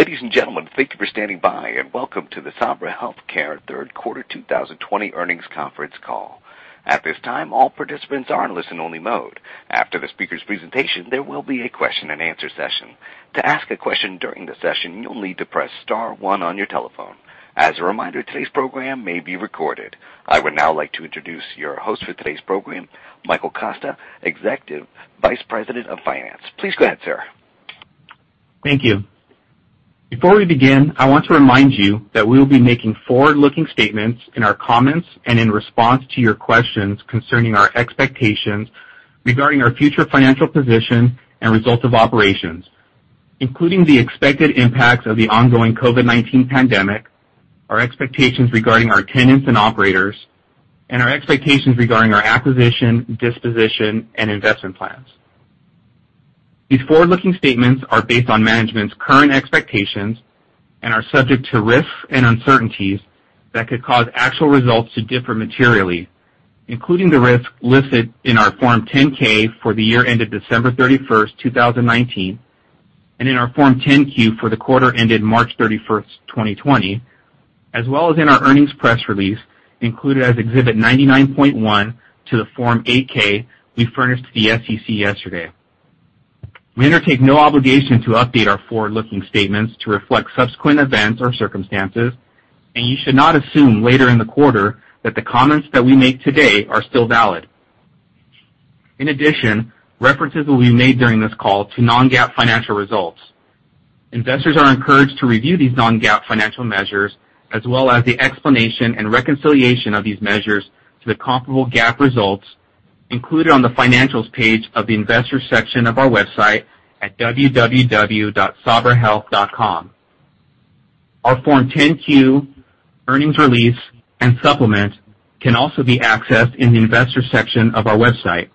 Ladies and gentlemen, thank you for standing by, and welcome to the Sabra Health Care Third Quarter 2020 earnings conference call. I would now like to introduce your host for today's program, Michael Costa, Executive Vice President of Finance. Please go ahead, sir. Thank you. Before we begin, I want to remind you that we will be making forward-looking statements in our comments and in response to your questions concerning our expectations regarding our future financial position and results of operations, including the expected impacts of the ongoing COVID-19 pandemic, our expectations regarding our tenants and operators, and our expectations regarding our acquisition, disposition, and investment plans. These forward-looking statements are based on management's current expectations and are subject to risks and uncertainties that could cause actual results to differ materially, including the risks listed in our Form 10-K for the year ended December 31st, 2019, and in our Form 10-Q for the quarter ended March 31st, 2020, as well as in our earnings press release included as Exhibit 99.1 to the Form 8-K we furnished to the SEC yesterday. We undertake no obligation to update our forward-looking statements to reflect subsequent events or circumstances, and you should not assume later in the quarter that the comments that we make today are still valid. In addition, references will be made during this call to non-GAAP financial results. Investors are encouraged to review these non-GAAP financial measures, as well as the explanation and reconciliation of these measures to the comparable GAAP results included on the financials page of the investor section of our website at www.sabrahealth.com. Our Form 10-Q, earnings release, and supplement can also be accessed in the investor section of our website.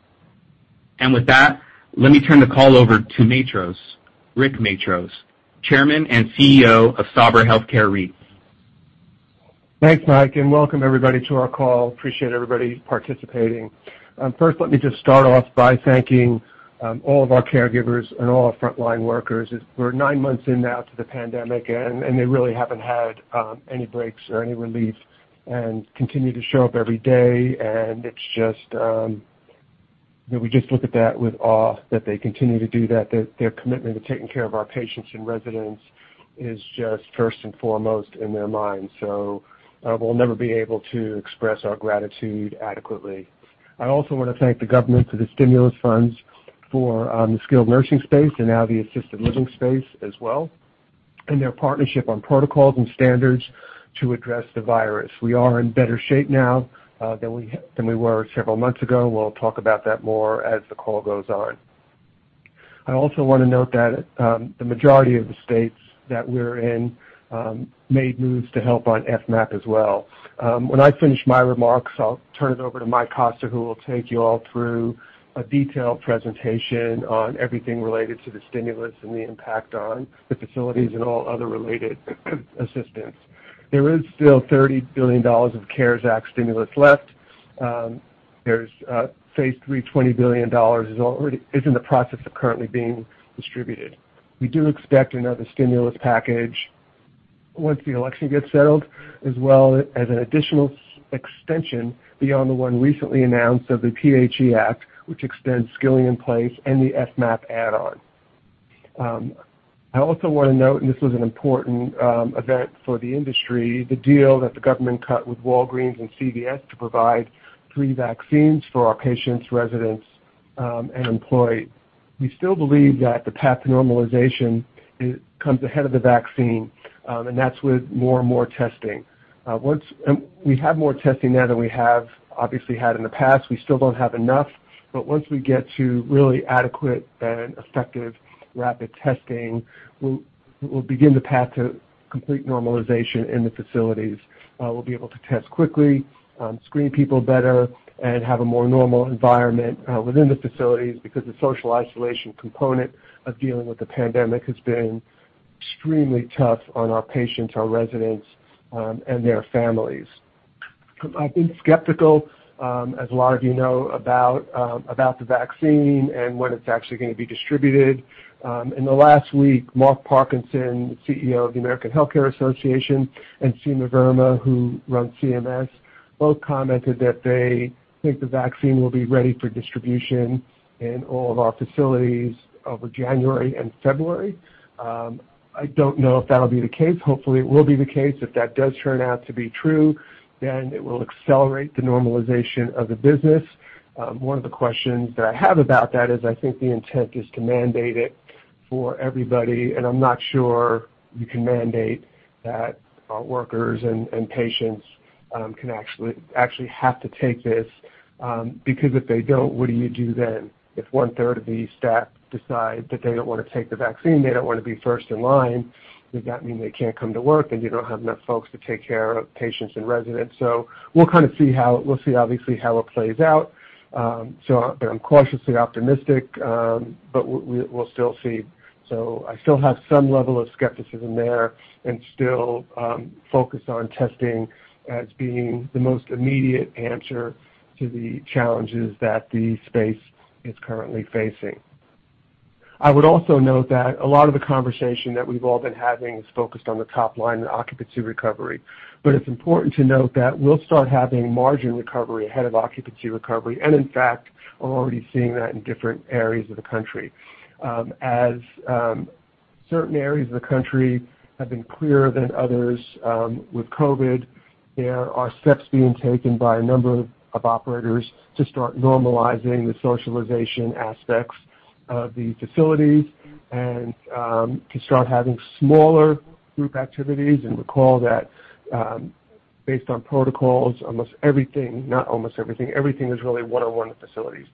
With that, let me turn the call over to Matros, Rick Matros, Chairman and Chief Executive Officer of Sabra Health Care REIT. Thanks, Mike. Welcome everybody to our call. Appreciate everybody participating. First, let me just start off by thanking all of our caregivers and all our frontline workers. We're nine months in now to the pandemic. They really haven't had any breaks or any relief and continue to show up every day. We just look at that with awe that they continue to do that. Their commitment to taking care of our patients and residents is just first and foremost in their minds. We'll never be able to express our gratitude adequately. I also want to thank the government for the stimulus funds for the skilled nursing space and now the assisted living space as well, and their partnership on protocols and standards to address the virus. We are in better shape now than we were several months ago. We'll talk about that more as the call goes on. I also want to note that the majority of the states that we're in made moves to help on FMAP as well. When I finish my remarks, I'll turn it over to Mike Costa, who will take you all through a detailed presentation on everything related to the stimulus and the impact on the facilities and all other related assistance. There is still $30 billion of CARES Act stimulus left. There's phase III, $20 billion is in the process of currently being distributed. We do expect another stimulus package once the election gets settled, as well as an additional extension beyond the one recently announced of the PHE Act, which extends skilling-in-place and the FMAP add-on. I also want to note, and this was an important event for the industry, the deal that the government cut with Walgreens and CVS to provide free vaccines for our patients, residents, and employees. We still believe that the path to normalization comes ahead of the vaccine, that's with more and more testing. We have more testing now than we have obviously had in the past. We still don't have enough, but once we get to really adequate and effective rapid testing, we'll begin the path to complete normalization in the facilities. We'll be able to test quickly, screen people better, and have a more normal environment within the facilities because the social isolation component of dealing with the pandemic has been extremely tough on our patients, our residents, and their families. I've been skeptical, as a lot of you know, about the vaccine and when it's actually going to be distributed. In the last week, Mark Parkinson, the CEO of the American Health Care Association, and Seema Verma, who runs CMS, both commented that they think the vaccine will be ready for distribution in all of our facilities over January and February. I don't know if that'll be the case. Hopefully, it will be the case. If that does turn out to be true, then it will accelerate the normalization of the business. One of the questions that I have about that is I think the intent is to mandate it for everybody, and I'm not sure you can mandate that our workers and patients actually have to take this, because if they don't, what do you do then? If one-third of the staff decide that they don't want to take the vaccine, they don't want to be first in line, does that mean they can't come to work and you don't have enough folks to take care of patients and residents? We'll see, obviously, how it plays out. I'm cautiously optimistic, but we'll still see. I still have some level of skepticism there and still focus on testing as being the most immediate answer to the challenges that the space is currently facing. I would also note that a lot of the conversation that we've all been having is focused on the top line and occupancy recovery. It's important to note that we'll start having margin recovery ahead of occupancy recovery, and in fact, are already seeing that in different areas of the country. As certain areas of the country have been clearer than others with COVID, there are steps being taken by a number of operators to start normalizing the socialization aspects of the facilities and to start having smaller group activities, and recall that based on protocols, almost everything, not almost everything is really one-on-one at facilities.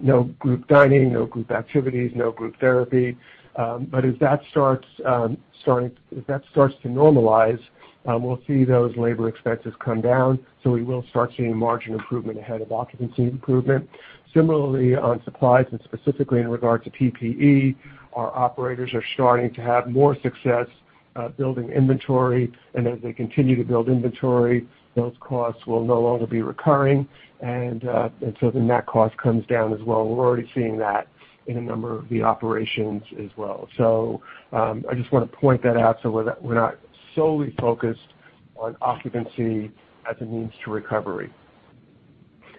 No group dining, no group activities, no group therapy. As that starts to normalize, we'll see those labor expenses come down, so we will start seeing margin improvement ahead of occupancy improvement. Similarly, on supplies, and specifically in regard to PPE, our operators are starting to have more success building inventory, and as they continue to build inventory, those costs will no longer be recurring, and so the net cost comes down as well. We're already seeing that in a number of the operations as well. I just want to point that out so we're not solely focused on occupancy as a means to recovery.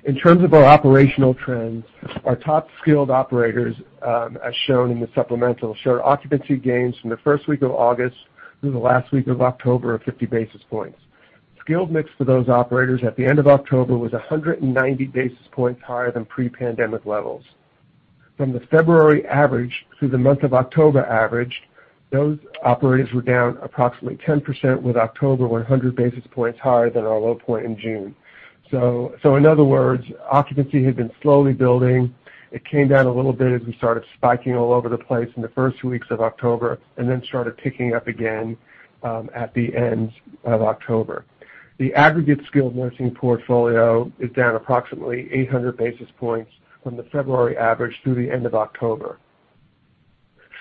In terms of our operational trends, our top skilled operators, as shown in the supplemental, show occupancy gains from the first week of August through the last week of October of 50 basis points. Skilled mix for those operators at the end of October was 190 basis points higher than pre-pandemic levels. From the February average through the month of October average, those operators were down approximately 10%, with October 100 basis points higher than our low point in June. In other words, occupancy had been slowly building. It came down a little bit as we started spiking all over the place in the first two weeks of October, and then started picking up again at the end of October. The aggregate skilled nursing portfolio is down approximately 800 basis points from the February average through the end of October.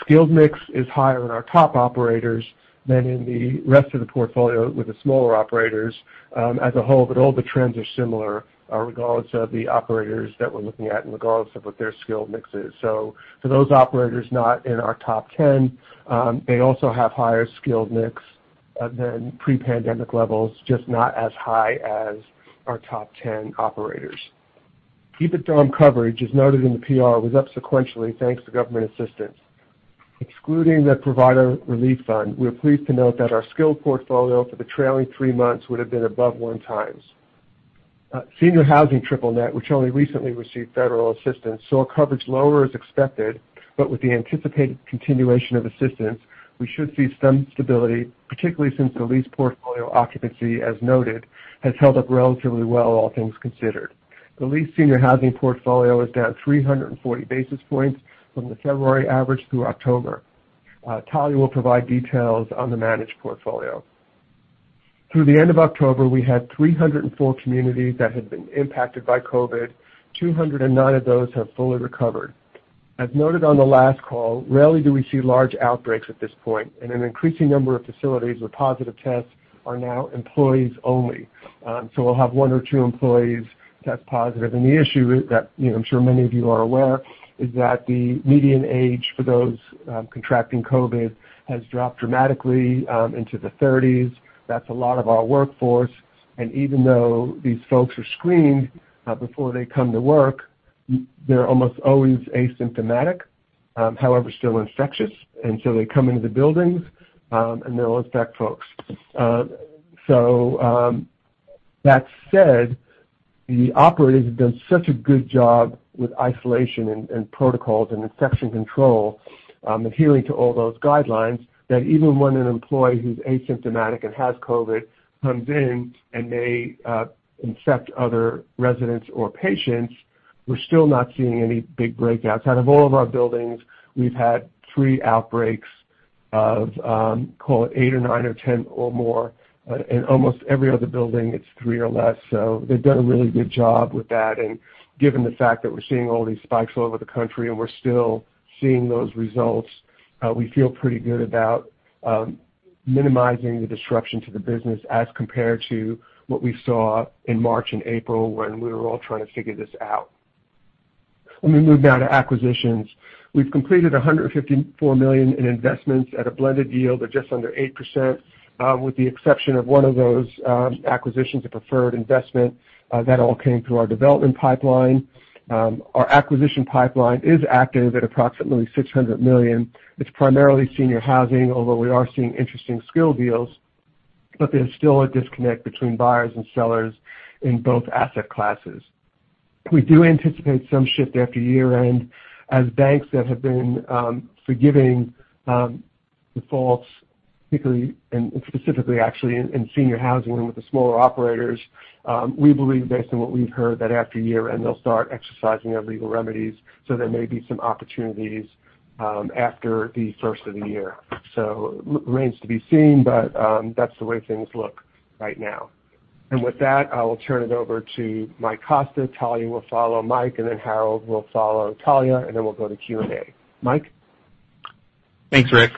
Skilled mix is higher in our top operators than in the rest of the portfolio with the smaller operators as a whole, but all the trends are similar regardless of the operators that we're looking at and regardless of what their skilled mix is. For those operators not in our top 10, they also have higher skilled mix than pre-pandemic levels, just not as high as our top 10 operators. EBITDA coverage, as noted in the PR, was up sequentially thanks to government assistance. Excluding the Provider Relief Fund, we are pleased to note that our skilled portfolio for the trailing three months would have been above one times. Senior housing triple net, which only recently received federal assistance, saw coverage lower as expected, but with the anticipated continuation of assistance, we should see some stability, particularly since the lease portfolio occupancy, as noted, has held up relatively well, all things considered. The lease senior housing portfolio is down 340 basis points from the February average through October. Talya will provide details on the managed portfolio. Through the end of October, we had 304 communities that had been impacted by COVID. 209 of those have fully recovered. As noted on the last call, rarely do we see large outbreaks at this point, and an increasing number of facilities with positive tests are now employees only. We'll have one or two employees test positive. The issue is that, I'm sure many of you are aware, is that the median age for those contracting COVID-19 has dropped dramatically into the 30s. That's a lot of our workforce. Even though these folks are screened before they come to work, they're almost always asymptomatic, however, still infectious. They come into the buildings, and they'll infect folks. That said, the operators have done such a good job with isolation and protocols and infection control, adhering to all those guidelines, that even when an employee who's asymptomatic and has COVID-19 comes in and may infect other residents or patients, we're still not seeing any big breakouts. Out of all of our buildings, we've had three outbreaks of call it eight or nine or 10 or more. In almost every other building, it's three or less. They've done a really good job with that, and given the fact that we're seeing all these spikes all over the country and we're still seeing those results, we feel pretty good about minimizing the disruption to the business as compared to what we saw in March and April when we were all trying to figure this out. Let me move now to acquisitions. We've completed $154 million in investments at a blended yield of just under 8%, with the exception of one of those acquisitions, a preferred investment. That all came through our development pipeline. Our acquisition pipeline is active at approximately $600 million. It's primarily senior housing, although we are seeing interesting skilled deals, but there's still a disconnect between buyers and sellers in both asset classes. We do anticipate some shift after year-end as banks that have been forgiving defaults, and specifically actually in senior housing with the smaller operators. We believe, based on what we've heard, that after year-end, they'll start exercising their legal remedies, so there may be some opportunities after the first of the year. Remains to be seen, but that's the way things look right now. With that, I will turn it over to Mike Costa. Talya will follow Mike, and then Harold will follow Talya, and then we'll go to Q&A. Mike? Thanks, Rick.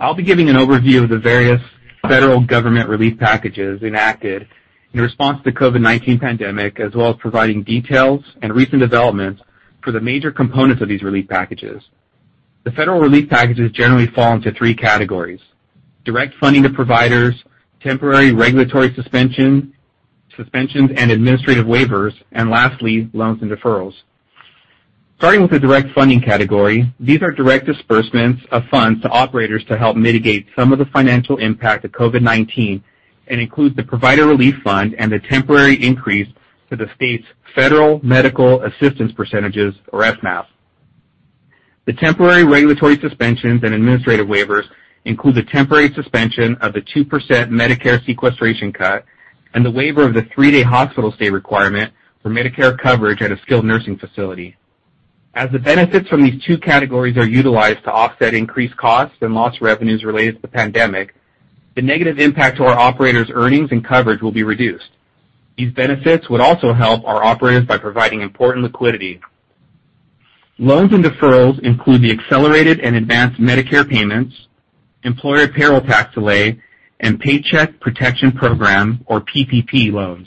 I'll be giving an overview of the various federal government relief packages enacted in response to COVID-19 pandemic, as well as providing details and recent developments for the major components of these relief packages. The federal relief packages generally fall into three categories, direct funding to providers, temporary regulatory suspensions and administrative waivers, and lastly, loans and deferrals. Starting with the direct funding category, these are direct disbursements of funds to operators to help mitigate some of the financial impact of COVID-19 and includes the Provider Relief Fund and the temporary increase to the state's Federal Medical Assistance Percentages, or FMAP. The temporary regulatory suspensions and administrative waivers include the temporary suspension of the 2% Medicare sequestration cut and the waiver of the three-day hospital stay requirement for Medicare coverage at a skilled nursing facility. As the benefits from these two categories are utilized to offset increased costs and lost revenues related to the pandemic, the negative impact to our operators' earnings and coverage will be reduced. These benefits would also help our operators by providing important liquidity. Loans and deferrals include the accelerated and advanced Medicare payments, employer payroll tax delay, and Paycheck Protection Program, or PPP, loans.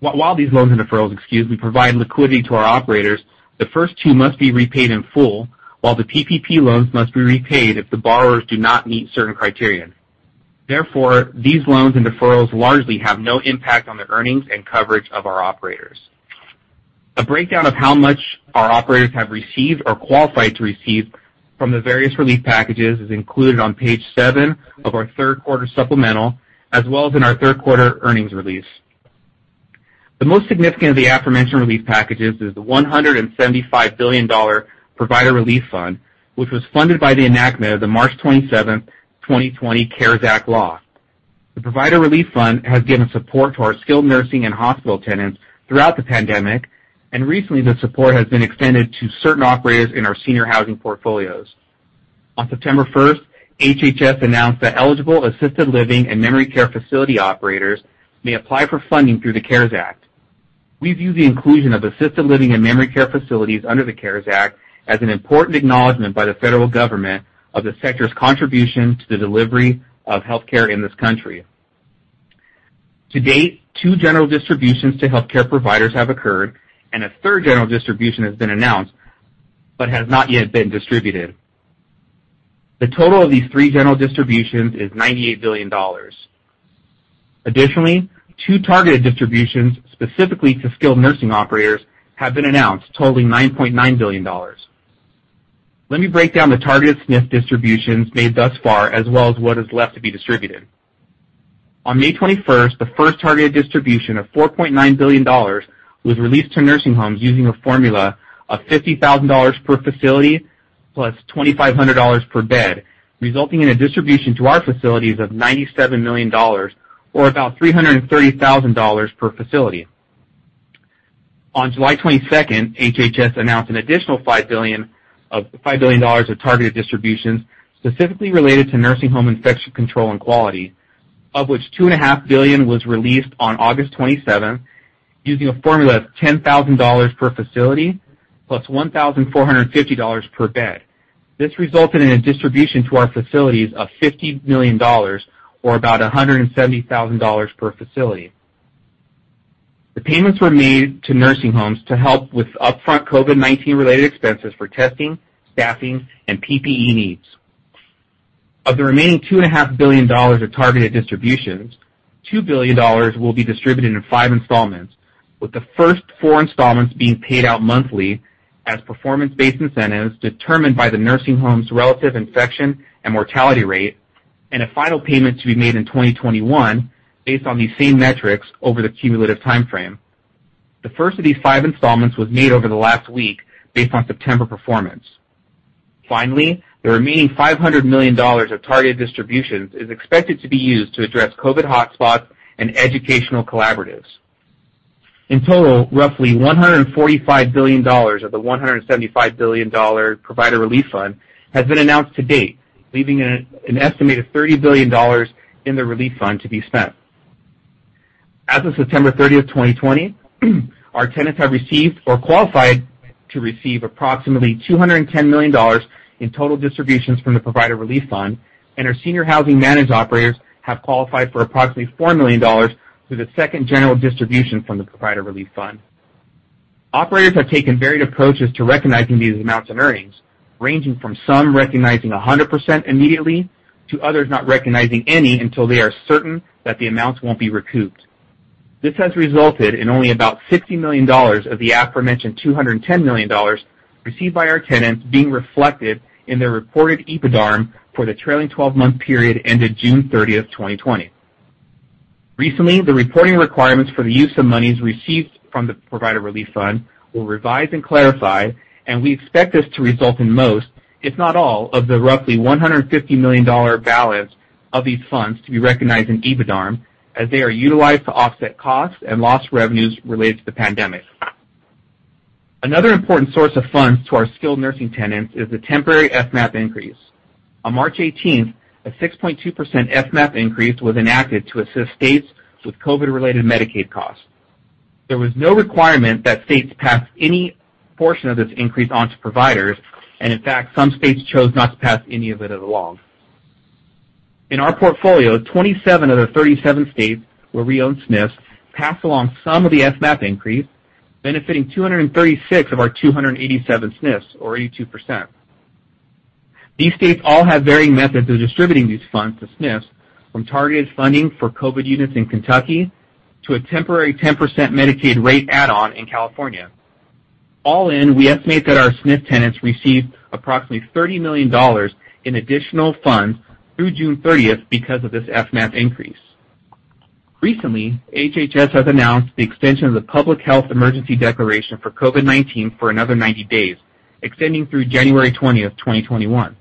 While these loans and deferrals, excuse me, provide liquidity to our operators, the first two must be repaid in full, while the PPP loans must be repaid if the borrowers do not meet certain criteria. Therefore, these loans and deferrals largely have no impact on the earnings and coverage of our operators. A breakdown of how much our operators have received or qualified to receive from the various relief packages is included on page seven of our third quarter supplemental, as well as in our third quarter earnings release. The most significant of the aforementioned relief packages is the $175 billion Provider Relief Fund, which was funded by the enactment of the March 27, 2020 CARES Act law. The Provider Relief Fund has given support to our skilled nursing and hospital tenants throughout the pandemic, and recently the support has been extended to certain operators in our senior housing portfolios. On September 1, HHS announced that eligible assisted living and memory care facility operators may apply for funding through the CARES Act. We view the inclusion of assisted living and memory care facilities under the CARES Act as an important acknowledgment by the federal government of the sector's contribution to the delivery of healthcare in this country. To date, two general distributions to healthcare providers have occurred, and a third general distribution has been announced but has not yet been distributed. The total of these three general distributions is $98 billion. Additionally, two targeted distributions specifically to skilled nursing operators have been announced, totaling $9.9 billion. Let me break down the targeted SNF distributions made thus far, as well as what is left to be distributed. On May 21st, the first targeted distribution of $4.9 billion was released to nursing homes using a formula of $50,000 per facility plus $2,500 per bed, resulting in a distribution to our facilities of $97 million, or about $330,000 per facility. On July 22nd, HHS announced an additional $5 billion of targeted distributions specifically related to nursing home infection control and quality, of which $2.5 billion was released on August 27th using a formula of $10,000 per facility plus $1,450 per bed. This resulted in a distribution to our facilities of $50 million, or about $170,000 per facility. The payments were made to nursing homes to help with upfront COVID-19 related expenses for testing, staffing, and PPE needs. Of the remaining $2.5 billion of targeted distributions, $2 billion will be distributed in five installments, with the first four installments being paid out monthly as performance-based incentives determined by the nursing home's relative infection and mortality rate, and a final payment to be made in 2021 based on these same metrics over the cumulative timeframe. The first of these five installments was made over the last week based on September performance. Finally, the remaining $500 million of targeted distributions is expected to be used to address COVID hotspots and educational collaboratives. In total, roughly $145 billion of the $175 billion Provider Relief Fund has been announced to date, leaving an estimated $30 billion in the relief fund to be spent. As of September 30th, 2020, our tenants have received or qualified to receive approximately $210 million in total distributions from the Provider Relief Fund, and our senior housing managed operators have qualified for approximately $4 million through the second general distribution from the Provider Relief Fund. Operators have taken varied approaches to recognizing these amounts in earnings, ranging from some recognizing 100% immediately, to others not recognizing any until they are certain that the amounts won't be recouped. This has resulted in only about $60 million of the aforementioned $210 million received by our tenants being reflected in their reported EBITDARM for the trailing 12-month period ended June 30th, 2020. Recently, the reporting requirements for the use of monies received from the Provider Relief Fund were revised and clarified, and we expect this to result in most, if not all, of the roughly $150 million balance of these funds to be recognized in EBITDARM as they are utilized to offset costs and lost revenues related to the pandemic. Another important source of funds to our skilled nursing tenants is the temporary FMAP increase. On March 18th, a 6.2% FMAP increase was enacted to assist states with COVID-related Medicaid costs. There was no requirement that states pass any portion of this increase on to providers, and in fact, some states chose not to pass any of it along. In our portfolio, 27 of the 37 states where we own SNFs passed along some of the FMAP increase, benefiting 236 of our 287 SNFs, or 82%. These states all have varying methods of distributing these funds to SNFs, from targeted funding for COVID units in Kentucky to a temporary 10% Medicaid rate add-on in California. All in, we estimate that our SNF tenants received approximately $30 million in additional funds through June 30th because of this FMAP increase. Recently, HHS has announced the extension of the Public Health Emergency declaration for COVID-19 for another 90 days, extending through January 20th, 2021.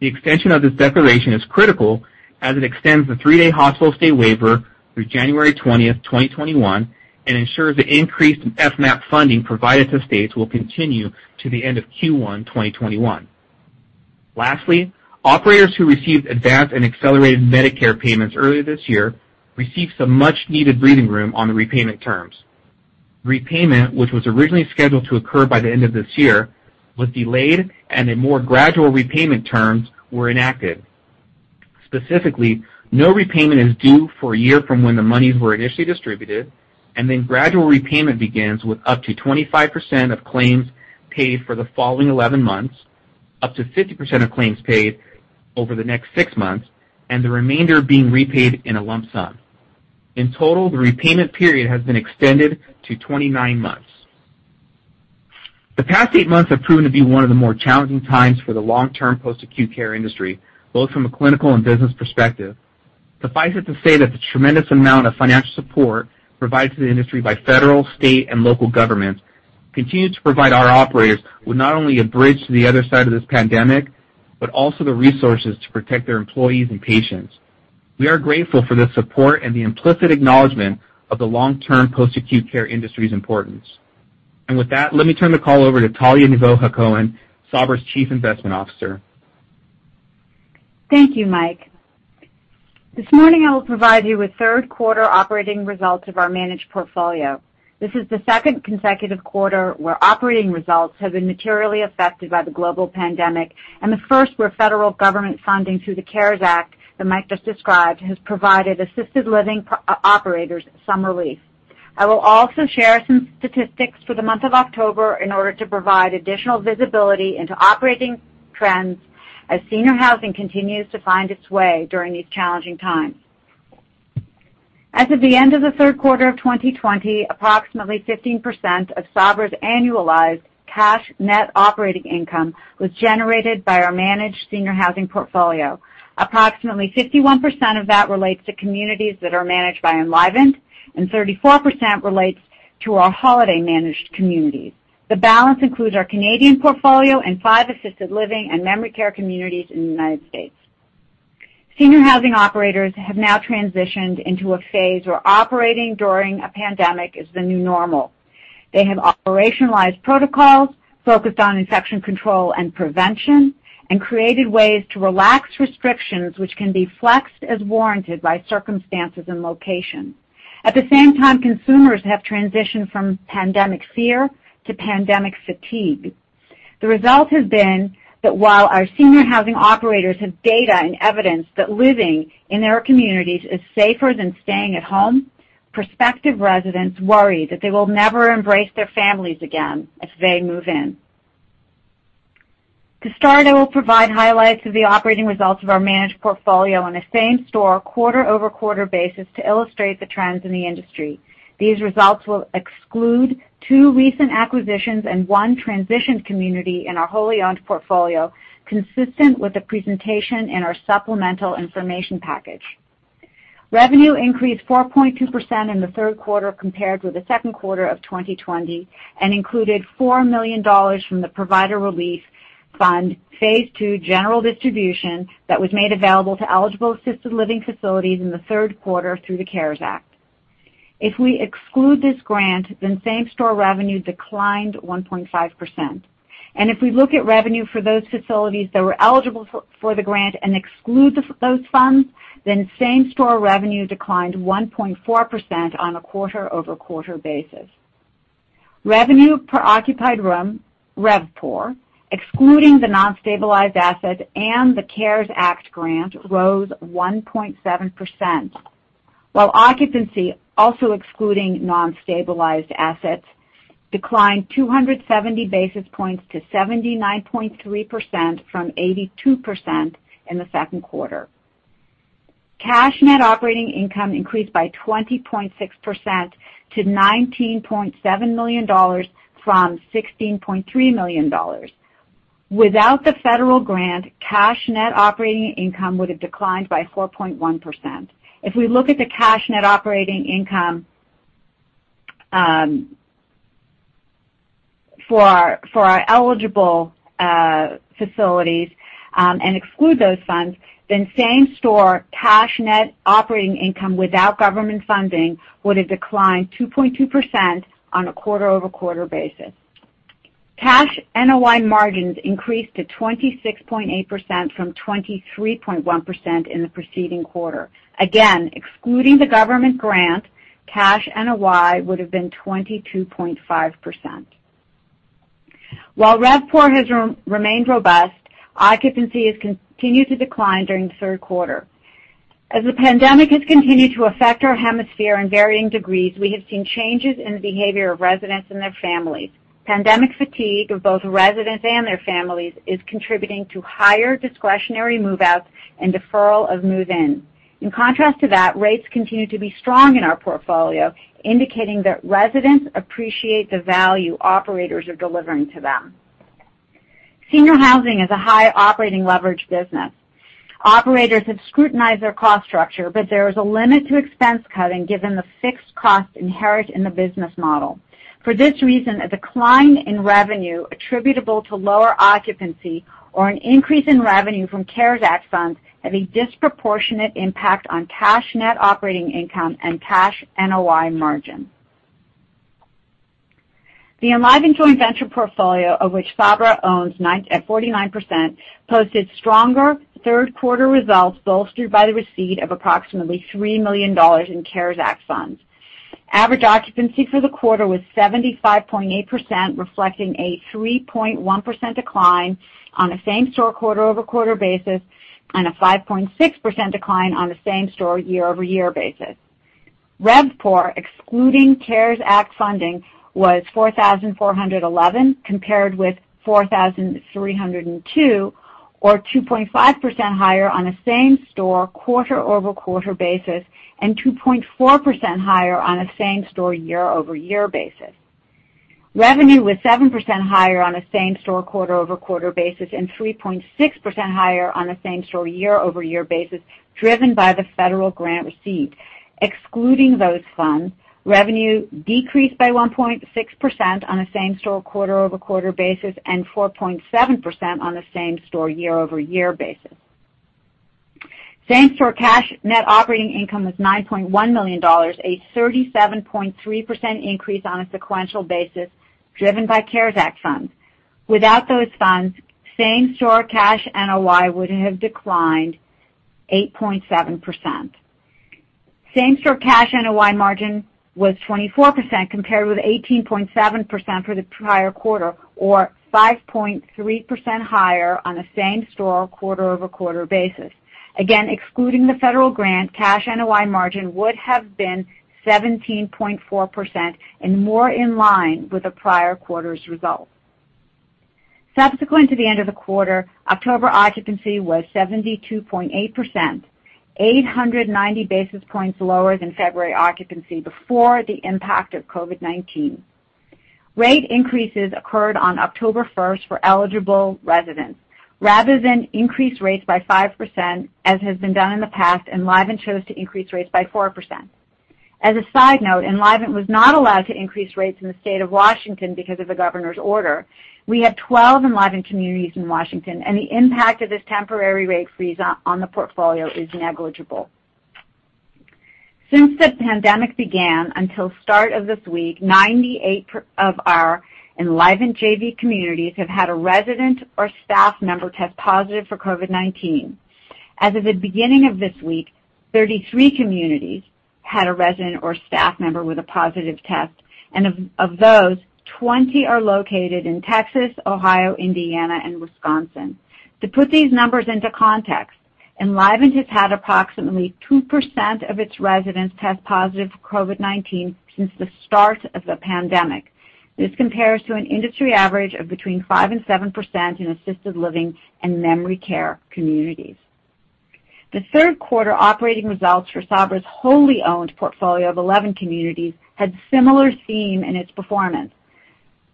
The extension of this declaration is critical, as it extends the three-day hospital stay waiver through January 20th, 2021, and ensures the increased FMAP funding provided to states will continue to the end of Q1 2021. Lastly, operators who received advanced and accelerated Medicare payments earlier this year received some much-needed breathing room on the repayment terms. Repayment, which was originally scheduled to occur by the end of this year, was delayed, and more gradual repayment terms were enacted. Specifically, no repayment is due for a year from when the monies were initially distributed, and then gradual repayment begins with up to 25% of claims paid for the following 11 months, up to 50% of claims paid over the next six months, and the remainder being repaid in a lump sum. In total, the repayment period has been extended to 29 months. The past eight months have proven to be one of the more challenging times for the long-term post-acute care industry, both from a clinical and business perspective. Suffice it to say that the tremendous amount of financial support provided to the industry by federal, state, and local governments continued to provide our operators with not only a bridge to the other side of this pandemic, but also the resources to protect their employees and patients. We are grateful for the support and the implicit acknowledgment of the long-term post-acute care industry's importance. With that, let me turn the call over to Talya Nevo-Hacohen, Sabra's Chief Investment Officer. Thank you, Mike. This morning, I will provide you with third-quarter operating results of our managed portfolio. This is the second consecutive quarter where operating results have been materially affected by the global pandemic and the first where federal government funding through the CARES Act, that Mike just described, has provided assisted living operators some relief. I will also share some statistics for the month of October in order to provide additional visibility into operating trends as senior housing continues to find its way during these challenging times. As of the end of the third quarter of 2020, approximately 15% of Sabra's annualized cash net operating income was generated by our managed senior housing portfolio. Approximately 51% of that relates to communities that are managed by Enlivant, and 34% relates to our Holiday managed communities. The balance includes our Canadian portfolio and five assisted living and memory care communities in the United States. Senior housing operators have now transitioned into a phase where operating during a pandemic is the new normal. They have operationalized protocols, focused on infection control and prevention, and created ways to relax restrictions which can be flexed as warranted by circumstances and location. At the same time, consumers have transitioned from pandemic fear to pandemic fatigue. The result has been that while our senior housing operators have data and evidence that living in their communities is safer than staying at home, prospective residents worry that they will never embrace their families again if they move in. To start, I will provide highlights of the operating results of our managed portfolio on a same-store, quarter-over-quarter basis to illustrate the trends in the industry. These results will exclude two recent acquisitions and one transition community in our wholly owned portfolio, consistent with the presentation in our supplemental information package. Revenue increased 4.2% in the third quarter compared with the second quarter of 2020 and included $4 million from the Provider Relief Fund Phase II General Distribution that was made available to eligible assisted living facilities in the third quarter through the CARES Act. If we exclude this grant, same-store revenue declined 1.5%. If we look at revenue for those facilities that were eligible for the grant and exclude those funds, same-store revenue declined 1.4% on a quarter-over-quarter basis. Revenue per occupied room, RevPOR, excluding the non-stabilized assets and the CARES Act grant, rose 1.7%, while occupancy, also excluding non-stabilized assets, declined 270 basis points to 79.3% from 82% in the second quarter. Cash net operating income increased by 20.6% to $19.7 million from $16.3 million. Without the federal grant, cash net operating income would have declined by 4.1%. If we look at the cash net operating income for our eligible facilities and exclude those funds, then same-store cash net operating income without government funding would have declined 2.2% on a quarter-over-quarter basis. Cash NOI margins increased to 26.8% from 23.1% in the preceding quarter. Again, excluding the government grant, Cash NOI would have been 22.5%. While RevPOR has remained robust, occupancy has continued to decline during the third quarter. As the pandemic has continued to affect our hemisphere in varying degrees, we have seen changes in the behavior of residents and their families. Pandemic fatigue of both residents and their families is contributing to higher discretionary move-outs and deferral of move-ins. In contrast to that, rates continue to be strong in our portfolio, indicating that residents appreciate the value operators are delivering to them. Senior housing is a high operating leverage business. Operators have scrutinized their cost structure, but there is a limit to expense cutting given the fixed costs inherent in the business model. For this reason, a decline in revenue attributable to lower occupancy or an increase in revenue from CARES Act funds have a disproportionate impact on cash net operating income and cash NOI margin. The Enlivant Joint Venture portfolio, of which Sabra owns 49%, posted stronger third quarter results, bolstered by the receipt of approximately $3 million in CARES Act funds. Average occupancy for the quarter was 75.8%, reflecting a 3.1% decline on a same-store quarter-over-quarter basis and a 5.6% decline on a same-store year-over-year basis. RevPOR, excluding CARES Act funding, was $4,411 compared with $4,302, or 2.5% higher on a same-store quarter-over-quarter basis and 2.4% higher on a same-store year-over-year basis. Revenue was 7% higher on a same-store quarter-over-quarter basis and 3.6% higher on a same-store year-over-year basis, driven by the federal grant receipt. Excluding those funds, revenue decreased by 1.6% on a same-store quarter-over-quarter basis and 4.7% on a same-store year-over-year basis. Same-store cash net operating income was $9.1 million, a 37.3% increase on a sequential basis, driven by CARES Act funds. Without those funds, same-store cash NOI would have declined 8.7%. Same-store cash NOI margin was 24% compared with 18.7% for the prior quarter, or 5.3% higher on a same-store quarter-over-quarter basis. Again, excluding the federal grant, cash NOI margin would have been 17.4% and more in line with the prior quarter's result. Subsequent to the end of the quarter, October occupancy was 72.8%, 890 basis points lower than February occupancy before the impact of COVID-19. Rate increases occurred on October 1st for eligible residents. Rather than increase rates by 5%, as has been done in the past, Enlivant chose to increase rates by 4%. As a side note, Enlivant was not allowed to increase rates in the state of Washington because of the governor's order. We had 12 Enlivant communities in Washington, and the impact of this temporary rate freeze on the portfolio is negligible. Since the pandemic began until start of this week, 98 of our Enlivant JV communities have had a resident or staff member test positive for COVID-19. As of the beginning of this week, 33 communities had a resident or staff member with a positive test, and of those, 20 are located in Texas, Ohio, Indiana, and Wisconsin. To put these numbers into context, Enlivant has had approximately 2% of its residents test positive for COVID-19 since the start of the pandemic. This compares to an industry average of between 5% and 7% in assisted living and memory care communities. The third quarter operating results for Sabra's wholly owned portfolio of 11 communities had similar theme in its performance.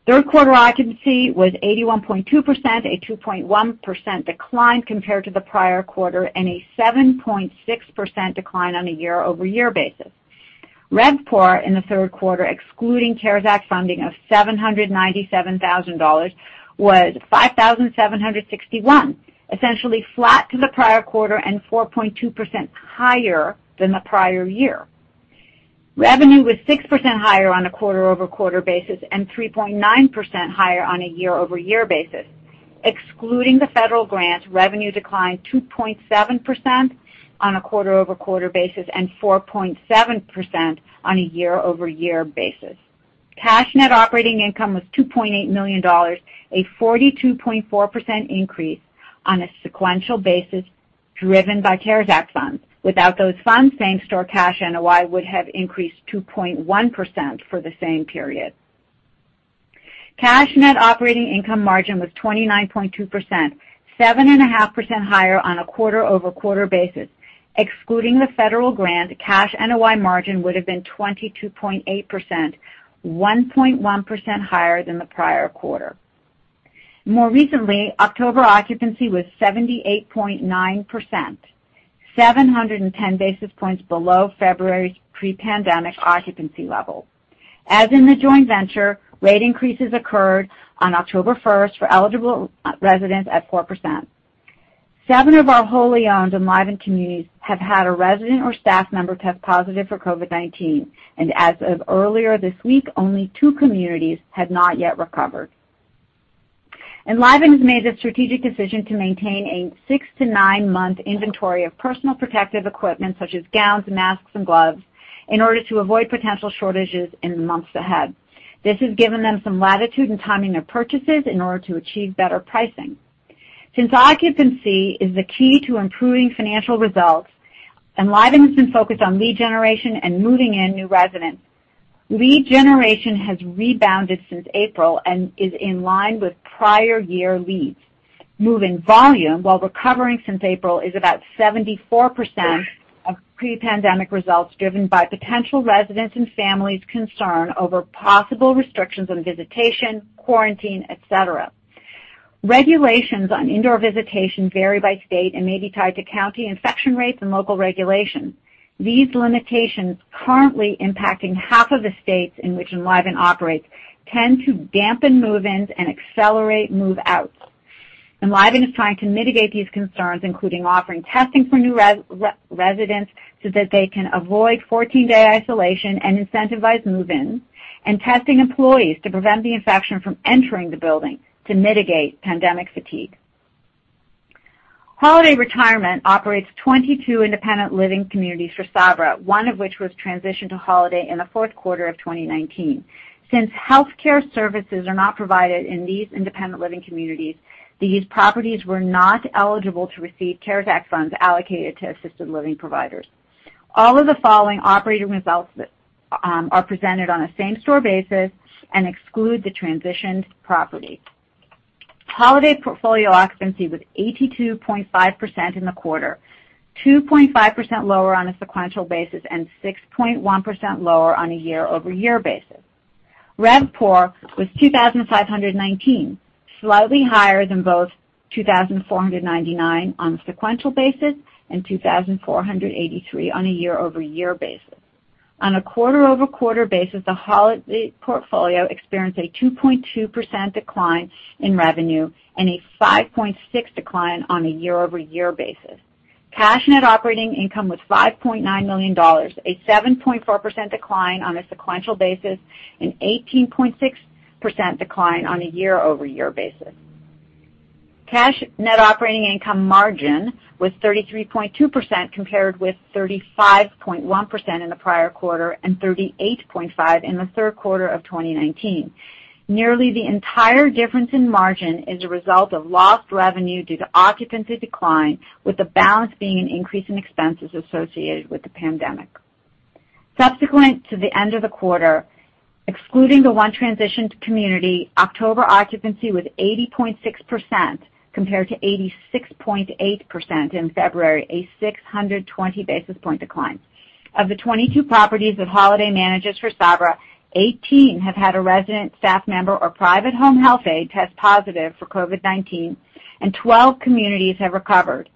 Third quarter occupancy was 81.2%, a 2.1% decline compared to the prior quarter and a 7.6% decline on a year-over-year basis. RevPOR in the third quarter, excluding CARES Act funding of $797,000, was $5,761, essentially flat to the prior quarter and 4.2% higher than the prior year. Revenue was 6% higher on a quarter-over-quarter basis and 3.9% higher on a year-over-year basis. Excluding the federal grant, revenue declined 2.7% on a quarter-over-quarter basis and 4.7% on a year-over-year basis. Cash net operating income was $2.8 million, a 42.4% increase on a sequential basis, driven by CARES Act funds. Without those funds, same-store cash NOI would have increased 2.1% for the same period. Cash net operating income margin was 29.2%, 7.5% higher on a quarter-over-quarter basis. Excluding the federal grant, cash NOI margin would have been 22.8%, 1.1% higher than the prior quarter. More recently, October occupancy was 78.9%, 710 basis points below February's pre-pandemic occupancy level. As in the joint venture, rate increases occurred on October 1st for eligible residents at 4%. Seven of our wholly owned Enlivant communities have had a resident or staff member test positive for COVID-19, and as of earlier this week, only two communities had not yet recovered. Enlivant has made the strategic decision to maintain a six- to nine-month inventory of personal protective equipment, such as gowns, masks, and gloves, in order to avoid potential shortages in the months ahead. This has given them some latitude in timing their purchases in order to achieve better pricing. Since occupancy is the key to improving financial results, Enlivant has been focused on lead generation and moving in new residents. Lead generation has rebounded since April and is in line with prior year leads. Move-in volume, while recovering since April, is about 74% of pre-pandemic results, driven by potential residents and families concerned over possible restrictions on visitation, quarantine, et cetera. Regulations on indoor visitation vary by state and may be tied to county infection rates and local regulations. These limitations currently impacting half of the states in which Enlivant operates tend to dampen move-ins and accelerate move-outs. Enlivant is trying to mitigate these concerns, including offering testing for new residents so that they can avoid 14-day isolation and incentivize move-ins, and testing employees to prevent the infection from entering the building to mitigate pandemic fatigue. Holiday Retirement operates 22 independent living communities for Sabra, one of which was transitioned to Holiday in the fourth quarter of 2019. Since healthcare services are not provided in these independent living communities, these properties were not eligible to receive CARES Act funds allocated to assisted living providers. All of the following operating results are presented on a same-store basis and exclude the transitioned property. Holiday portfolio occupancy was 82.5% in the quarter, 2.5% lower on a sequential basis, and 6.1% lower on a year-over-year basis. RevPOR was $2,519, slightly higher than both $2,499 on a sequential basis and $2,483 on a year-over-year basis. On a quarter-over-quarter basis, the Holiday portfolio experienced a 2.2% decline in revenue and a 5.6% decline on a year-over-year basis. Cash net operating income was $5.9 million, a 7.4% decline on a sequential basis, and 18.6% decline on a year-over-year basis. Cash net operating income margin was 33.2%, compared with 35.1% in the prior quarter and 38.5% in the third quarter of 2019. Nearly the entire difference in margin is a result of lost revenue due to occupancy decline, with the balance being an increase in expenses associated with the pandemic. Subsequent to the end of the quarter, excluding the one transitioned community, October occupancy was 80.6%, compared to 86.8% in February, a 620 basis point decline. Of the 22 properties that Holiday manages for Sabra, 18 have had a resident staff member or private home health aide test positive for COVID-19, and 12 communities have recovered.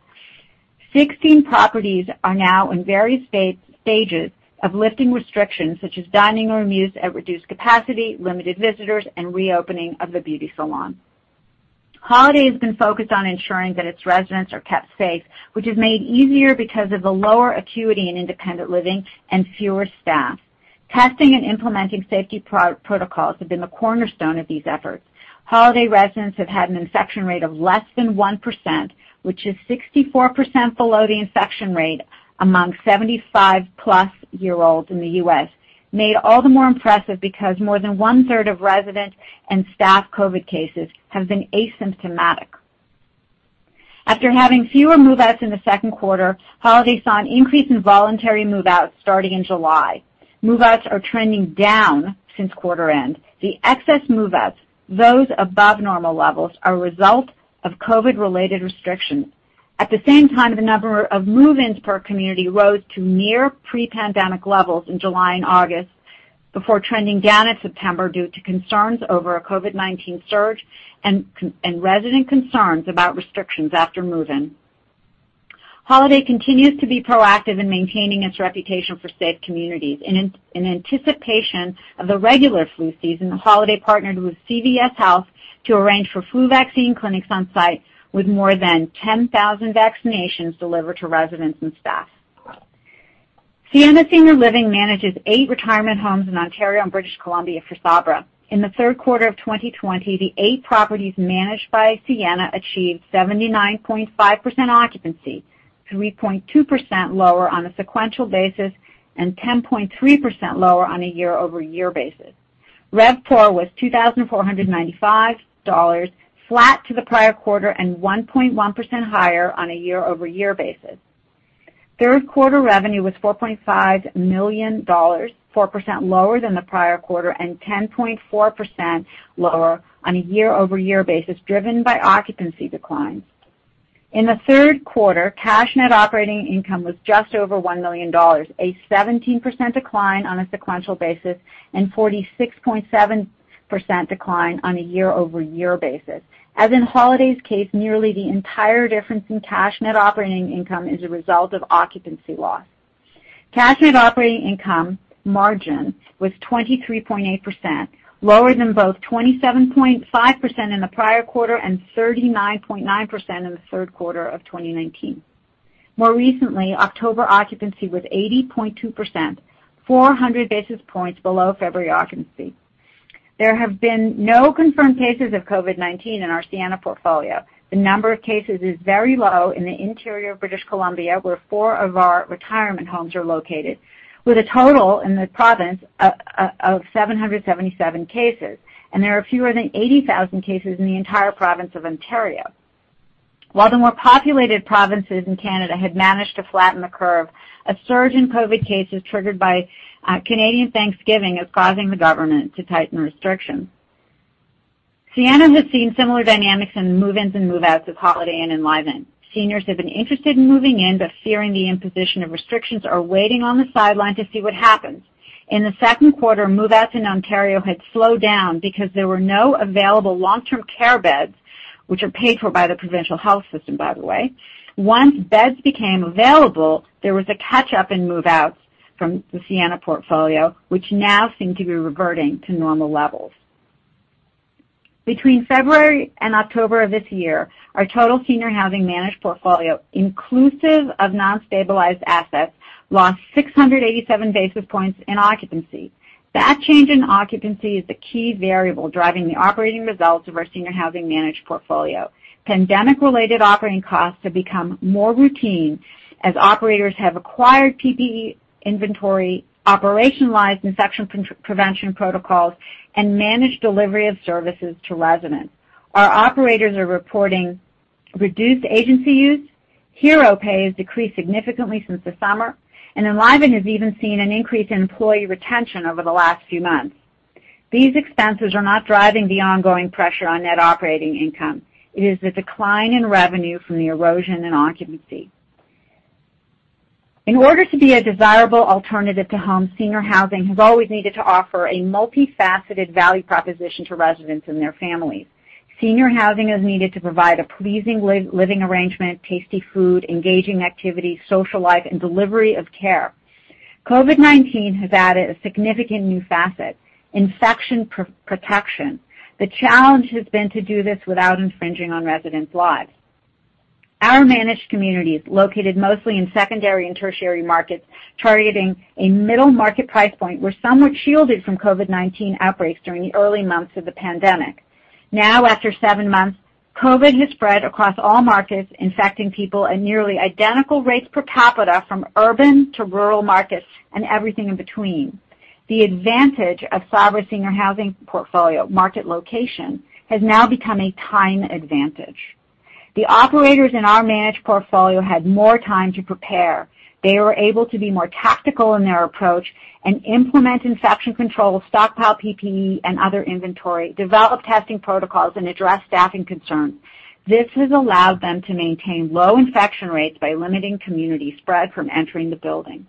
16 properties are now in various stages of lifting restrictions, such as dining room use at reduced capacity, limited visitors, and reopening of the beauty salon. Holiday Retirement has been focused on ensuring that its residents are kept safe, which is made easier because of the lower acuity in independent living and fewer staff. Testing and implementing safety protocols have been the cornerstone of these efforts. Holiday Retirement residents have had an infection rate of less than 1%, which is 64% below the infection rate among 75+ year olds in the U.S. Made all the more impressive because more than 1/3 of residents and staff COVID-19 cases have been asymptomatic. After having fewer move-outs in the second quarter, Holiday Retirement saw an increase in voluntary move-outs starting in July. Move-outs are trending down since quarter end. The excess move-outs, those above normal levels, are a result of COVID-19-related restrictions. At the same time, the number of move-ins per community rose to near pre-pandemic levels in July and August before trending down in September due to concerns over a COVID-19 surge and resident concerns about restrictions after move-in. Holiday continues to be proactive in maintaining its reputation for safe communities. In anticipation of the regular flu season, Holiday partnered with CVS Health to arrange for flu vaccine clinics on site, with more than 10,000 vaccinations delivered to residents and staff. Sienna Senior Living manages eight retirement homes in Ontario and British Columbia for Sabra. In the third quarter of 2020, the eight properties managed by Sienna achieved 79.5% occupancy, 3.2% lower on a sequential basis and 10.3% lower on a year-over-year basis. RevPOR was $2,495, flat to the prior quarter and 1.1% higher on a year-over-year basis. Third quarter revenue was $4.5 million, 4% lower than the prior quarter and 10.4% lower on a year-over-year basis, driven by occupancy declines. In the third quarter, cash net operating income was just over $1 million, a 17% decline on a sequential basis and 46.7% decline on a year-over-year basis. As in Holiday's case, nearly the entire difference in cash net operating income is a result of occupancy loss. Cash net operating income margin was 23.8%, lower than both 27.5% in the prior quarter and 39.9% in the third quarter of 2019. More recently, October occupancy was 80.2%, 400 basis points below February occupancy. There have been no confirmed cases of COVID-19 in our Sienna portfolio. The number of cases is very low in the interior of British Columbia, where four of our retirement homes are located, with a total in the province of 777 cases. There are fewer than 80,000 cases in the entire province of Ontario. While the more populated provinces in Canada had managed to flatten the curve, a surge in COVID cases triggered by Canadian Thanksgiving is causing the government to tighten restrictions. Sienna has seen similar dynamics in the move-ins and move-outs of Holiday and Enlivant. Seniors have been interested in moving in, but fearing the imposition of restrictions, are waiting on the sideline to see what happens. In the second quarter, move-outs in Ontario had slowed down because there were no available long-term care beds, which are paid for by the provincial health system, by the way. Once beds became available, there was a catch-up in move-outs from the Sienna portfolio, which now seem to be reverting to normal levels. Between February and October of this year, our total senior housing managed portfolio, inclusive of non-stabilized assets, lost 687 basis points in occupancy. That change in occupancy is the key variable driving the operating results of our senior housing managed portfolio. Pandemic-related operating costs have become more routine as operators have acquired PPE inventory, operationalized infection prevention protocols, and managed delivery of services to residents. Our operators are reporting reduced agency use. Hero pay has decreased significantly since the summer, and Enlivant has even seen an increase in employee retention over the last few months. These expenses are not driving the ongoing pressure on net operating income. It is the decline in revenue from the erosion in occupancy. In order to be a desirable alternative to home, senior housing has always needed to offer a multifaceted value proposition to residents and their families. Senior housing is needed to provide a pleasing living arrangement, tasty food, engaging activities, social life, and delivery of care. COVID-19 has added a significant new facet, infection protection. The challenge has been to do this without infringing on residents' lives. Our managed communities, located mostly in secondary and tertiary markets targeting a middle-market price point, were somewhat shielded from COVID-19 outbreaks during the early months of the pandemic. Now, after seven months, COVID has spread across all markets, infecting people at nearly identical rates per capita from urban to rural markets and everything in between. The advantage of Sabra Senior Housing Portfolio market location has now become a time advantage. The operators in our managed portfolio had more time to prepare. They were able to be more tactical in their approach and implement infection control, stockpile PPE and other inventory, develop testing protocols, and address staffing concerns. This has allowed them to maintain low infection rates by limiting community spread from entering the building.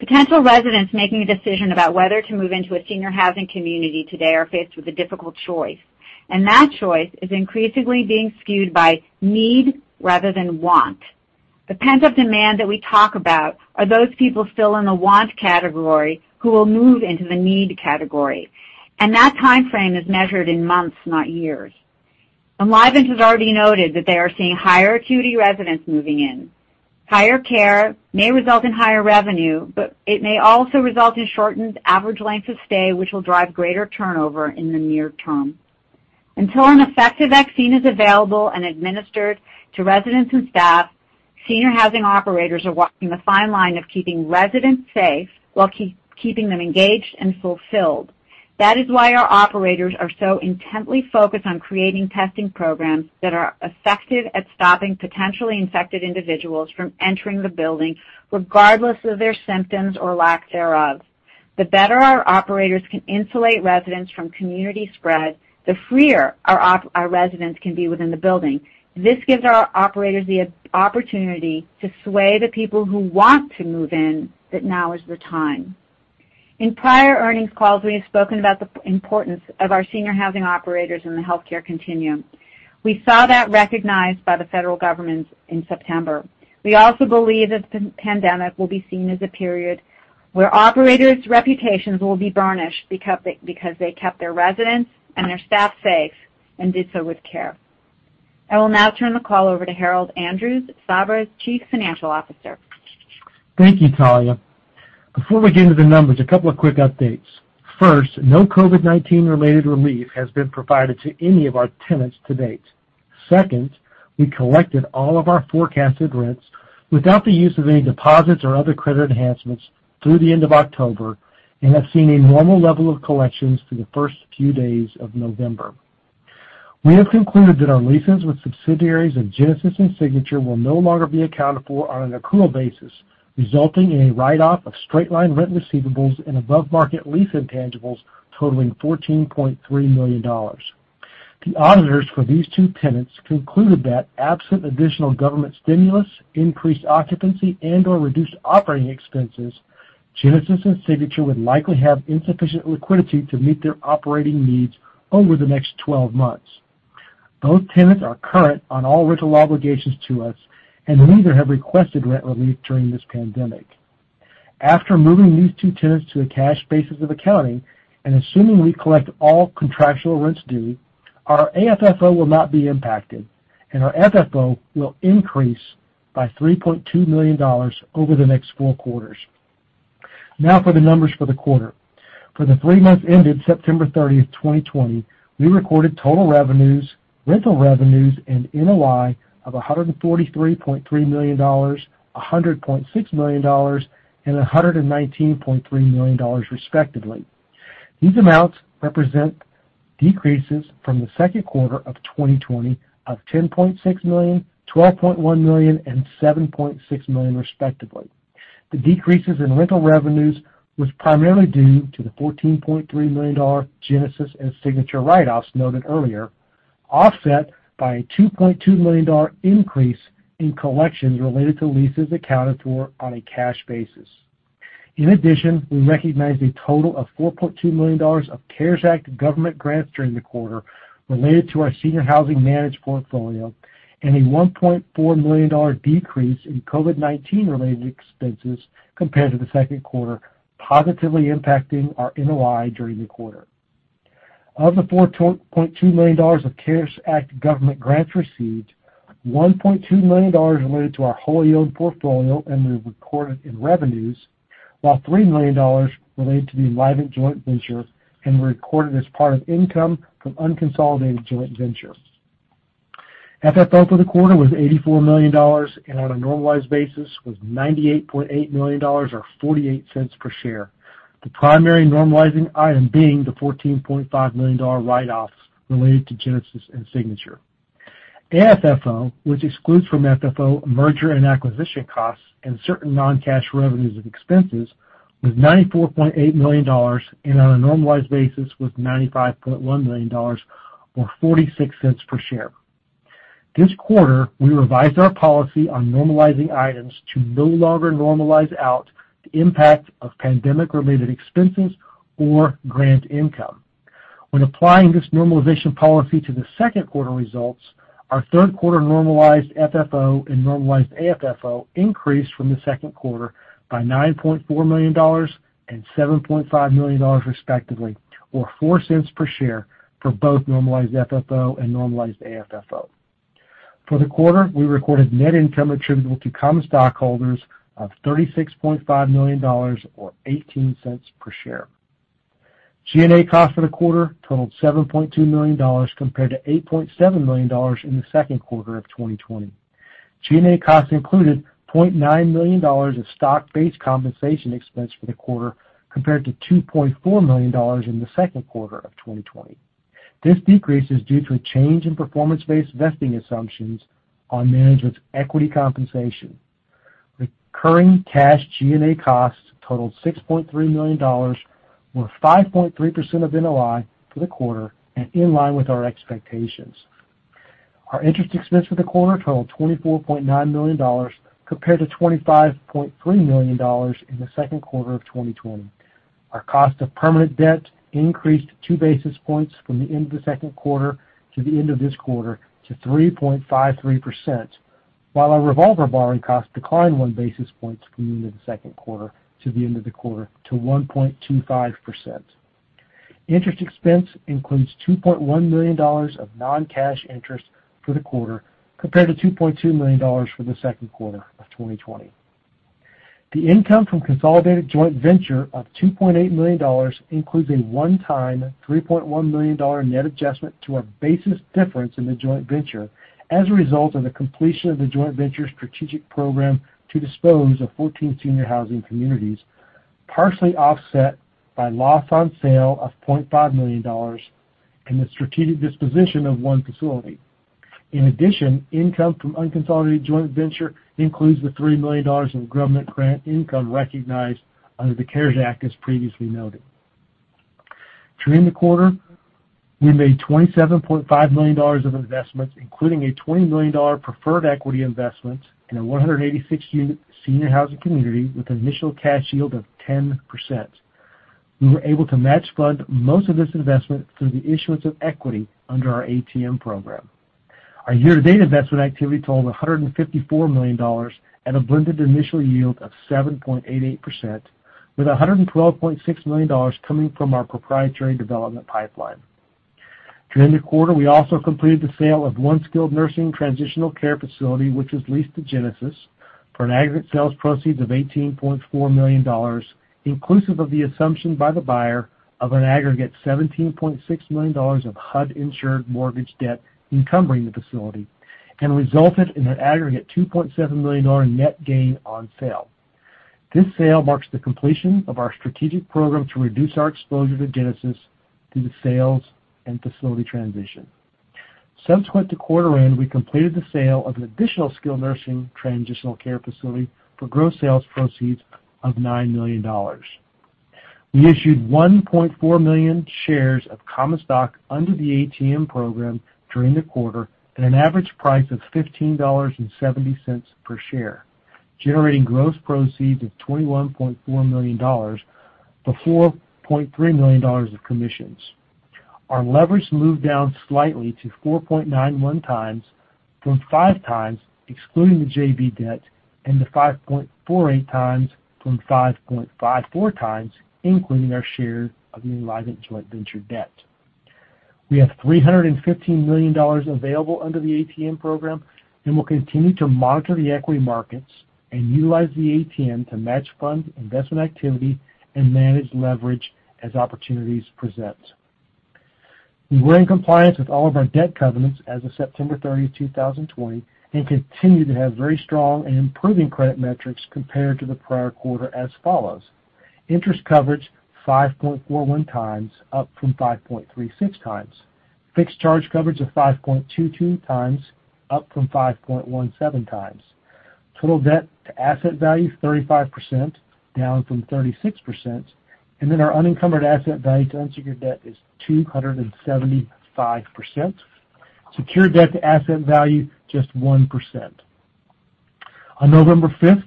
Potential residents making a decision about whether to move into a senior housing community today are faced with a difficult choice, that choice is increasingly being skewed by need rather than want. The pent-up demand that we talk about are those people still in the want category who will move into the need category, that timeframe is measured in months, not years. Enlivant has already noted that they are seeing higher acuity residents moving in. Higher care may result in higher revenue, it may also result in shortened average lengths of stay, which will drive greater turnover in the near term. Until an effective vaccine is available and administered to residents and staff, senior housing operators are walking the fine line of keeping residents safe while keeping them engaged and fulfilled. That is why our operators are so intently focused on creating testing programs that are effective at stopping potentially infected individuals from entering the building, regardless of their symptoms or lack thereof. The better our operators can insulate residents from community spread, the freer our residents can be within the building. This gives our operators the opportunity to sway the people who want to move in that now is the time. In prior earnings calls, we have spoken about the importance of our senior housing operators in the healthcare continuum. We saw that recognized by the federal government in September. We also believe that the pandemic will be seen as a period where operators' reputations will be burnished because they kept their residents and their staff safe and did so with care. I will now turn the call over to Harold Andrews, Sabra's Chief Financial Officer. Thank you, Talya. Before we get into the numbers, a couple of quick updates. First, no COVID-19 related relief has been provided to any of our tenants to date. Second, we collected all of our forecasted rents without the use of any deposits or other credit enhancements through the end of October and have seen a normal level of collections through the first few days of November. We have concluded that our leases with subsidiaries of Genesis and Signature will no longer be accounted for on an accrual basis, resulting in a write-off of straight-line rent receivables and above-market lease intangibles totaling $14.3 million. The auditors for these two tenants concluded that absent additional government stimulus, increased occupancy, and/or reduced operating expenses, Genesis and Signature would likely have insufficient liquidity to meet their operating needs over the next 12 months. Both tenants are current on all rental obligations to us. Neither have requested rent relief during this pandemic. After moving these two tenants to a cash basis of accounting, assuming we collect all contractual rents due, our AFFO will not be impacted. Our FFO will increase by $3.2 million over the next four quarters. For the numbers for the quarter. For the three months ended September 30, 2020, we recorded total revenues, rental revenues, and NOI of $143.3 million, $100.6 million, and $119.3 million, respectively. These amounts represent decreases from the second quarter of 2020 of $10.6 million, $12.1 million, and $7.6 million, respectively. The decreases in rental revenues was primarily due to the $14.3 million Genesis HealthCare and Signature HealthCARE write-offs noted earlier, offset by a $2.2 million increase in collections related to leases accounted for on a cash basis. In addition, we recognized a total of $4.2 million of CARES Act government grants during the quarter related to our senior housing managed portfolio and a $1.4 million decrease in COVID-19 related expenses compared to the second quarter, positively impacting our NOI during the quarter. Of the $4.2 million of CARES Act government grants received, $1.2 million related to our wholly owned portfolio and were recorded in revenues, while $3 million related to the Enlivant Joint Venture and were recorded as part of income from unconsolidated joint ventures. FFO for the quarter was $84 million, and on a normalized basis was $98.8 million, or $0.48 per share. The primary normalizing item being the $14.5 million write-offs related to Genesis and Signature. AFFO, which excludes from FFO merger and acquisition costs and certain non-cash revenues and expenses, was $94.8 million, and on a normalized basis was $95.1 million, or $0.46 per share. This quarter, we revised our policy on normalizing items to no longer normalize out the impact of pandemic related expenses or grant income. When applying this normalization policy to the second quarter results, our third quarter normalized FFO and normalized AFFO increased from the second quarter by $9.4 million and $7.5 million, respectively, or $0.04 per share for both normalized FFO and normalized AFFO. For the quarter, we recorded net income attributable to common stockholders of $36.5 million, or $0.18 per share. G&A costs for the quarter totaled $7.2 million compared to $8.7 million in the second quarter of 2020. G&A costs included $0.9 million of stock-based compensation expense for the quarter, compared to $2.4 million in the second quarter of 2020. This decrease is due to a change in performance-based vesting assumptions on management's equity compensation. Recurring cash G&A costs totaled $6.3 million, or 5.3% of NOI for the quarter, and in line with our expectations. Our interest expense for the quarter totaled $24.9 million, compared to $25.3 million in the second quarter of 2020. Our cost of permanent debt increased 2 basis points from the end of the second quarter to the end of this quarter to 3.53%, while our revolver borrowing cost declined 1 basis point from the end of the second quarter to the end of the quarter to 1.25%. Interest expense includes $2.1 million of non-cash interest for the quarter, compared to $2.2 million for the second quarter of 2020. The income from consolidated joint venture of $2.8 million includes a one-time $3.1 million net adjustment to our basis difference in the joint venture as a result of the completion of the joint venture strategic program to dispose of 14 senior housing communities, partially offset by loss on sale of $0.5 million and the strategic disposition of one facility. In addition, income from unconsolidated joint venture includes the $3 million in government grant income recognized under the CARES Act as previously noted. During the quarter, we made $27.5 million of investments, including a $20 million preferred equity investment in a 186-unit senior housing community with an initial cash yield of 10%. We were able to match fund most of this investment through the issuance of equity under our ATM program. Our year-to-date investment activity totaled $154 million at a blended initial yield of 7.88%, with $112.6 million coming from our proprietary development pipeline. During the quarter, we also completed the sale of one skilled nursing transitional care facility, which was leased to Genesis for an aggregate sales proceeds of $18.4 million, inclusive of the assumption by the buyer of an aggregate $17.6 million of HUD-insured mortgage debt encumbering the facility and resulted in an aggregate $2.7 million net gain on sale. This sale marks the completion of our strategic program to reduce our exposure to Genesis through the sales and facility transition. Subsequent to quarter end, we completed the sale of an additional skilled nursing transitional care facility for gross sales proceeds of $9 million. We issued 1.4 million shares of common stock under the ATM program during the quarter at an average price of $15.70 per share. Generating gross proceeds of $21.4 million before $0.3 million of commissions. Our leverage moved down slightly to 4.91 times from 5 times, excluding the JV debt, and to 5.48 times from 5.54 times including our share of the Enlivant Joint Venture debt. We have $315 million available under the ATM program. We'll continue to monitor the equity markets and utilize the ATM to match fund investment activity and manage leverage as opportunities present. We were in compliance with all of our debt covenants as of September 30, 2020. We continue to have very strong and improving credit metrics compared to the prior quarter as follows. Interest coverage, 5.41x, up from 5.36x. Fixed charge coverage of 5.22x, up from 5.17x. Total debt to asset value, 35%, down from 36%. Our unencumbered asset value to unsecured debt is 275%. Secured debt to asset value, just 1%. On November 5th,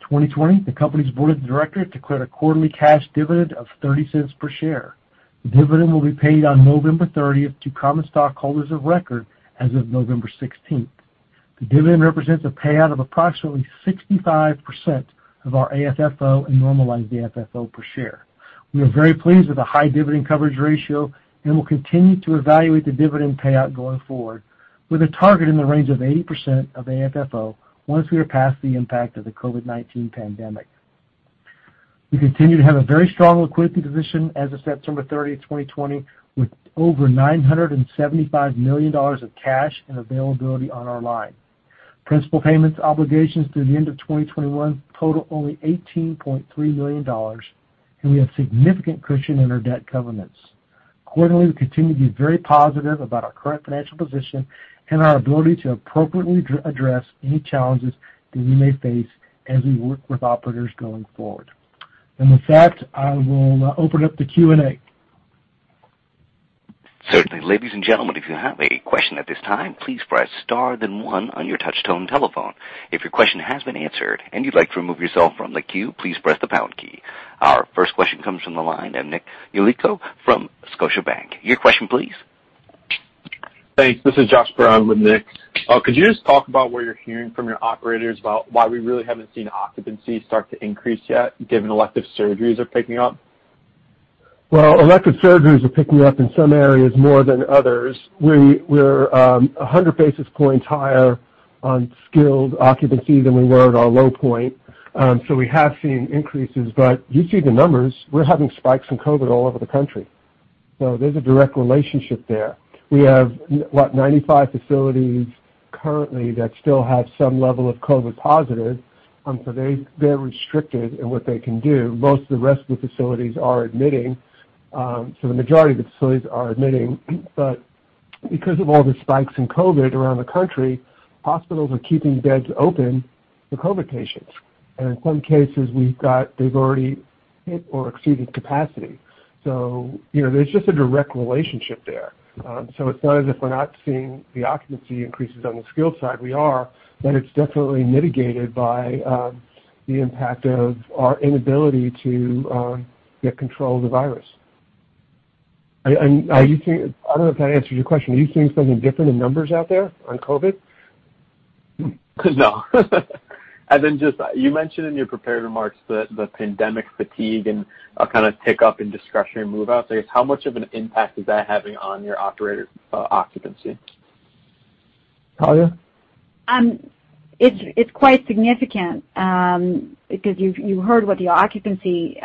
2020, the company's board of directors declared a quarterly cash dividend of $0.30 per share. The dividend will be paid on November 30th to common stockholders of record as of November 16th. The dividend represents a payout of approximately 65% of our AFFO and normalized AFFO per share. We are very pleased with the high dividend coverage ratio and will continue to evaluate the dividend payout going forward with a target in the range of 80% of AFFO once we are past the impact of the COVID-19 pandemic. We continue to have a very strong liquidity position as of September 30, 2020, with over $975 million of cash and availability on our line. Principal payments obligations through the end of 2021 total only $18.3 million, and we have significant cushion in our debt covenants. Quarterly, we continue to be very positive about our current financial position and our ability to appropriately address any challenges that we may face as we work with operators going forward. With that, I will open up the Q&A. Certainly. Ladies and gentlemen, if you have a question at this time, please press star then one on your touch tone telephone. If your question has been answered and you'd like to remove yourself from the queue, please press the pound key. Our first question comes from the line of Nicholas Yulico from Scotiabank. Your question please. Thanks. This is Josh Brown with Nick. Could you just talk about what you're hearing from your operators about why we really haven't seen occupancy start to increase yet, given elective surgeries are picking up? Well, elective surgeries are picking up in some areas more than others. We're 100 basis points higher on skilled occupancy than we were at our low point. We have seen increases, but you see the numbers. We're having spikes in COVID all over the country. There's a direct relationship there. We have, what, 95 facilities currently that still have some level of COVID positive, so they're restricted in what they can do. Most of the rest of the facilities are admitting, so the majority of the facilities are admitting, but because of all the spikes in COVID around the country, hospitals are keeping beds open for COVID patients. In some cases we've got, they've already hit or exceeded capacity. There's just a direct relationship there. It's not as if we're not seeing the occupancy increases on the skilled side. We are, but it's definitely mitigated by the impact of our inability to get control of the virus. I don't know if that answers your question. Are you seeing something different in numbers out there on COVID? No. Then just, you mentioned in your prepared remarks the pandemic fatigue and a kind of tick up in discretionary move-outs. I guess how much of an impact is that having on your operator occupancy? Talya? It's quite significant, you heard what the occupancy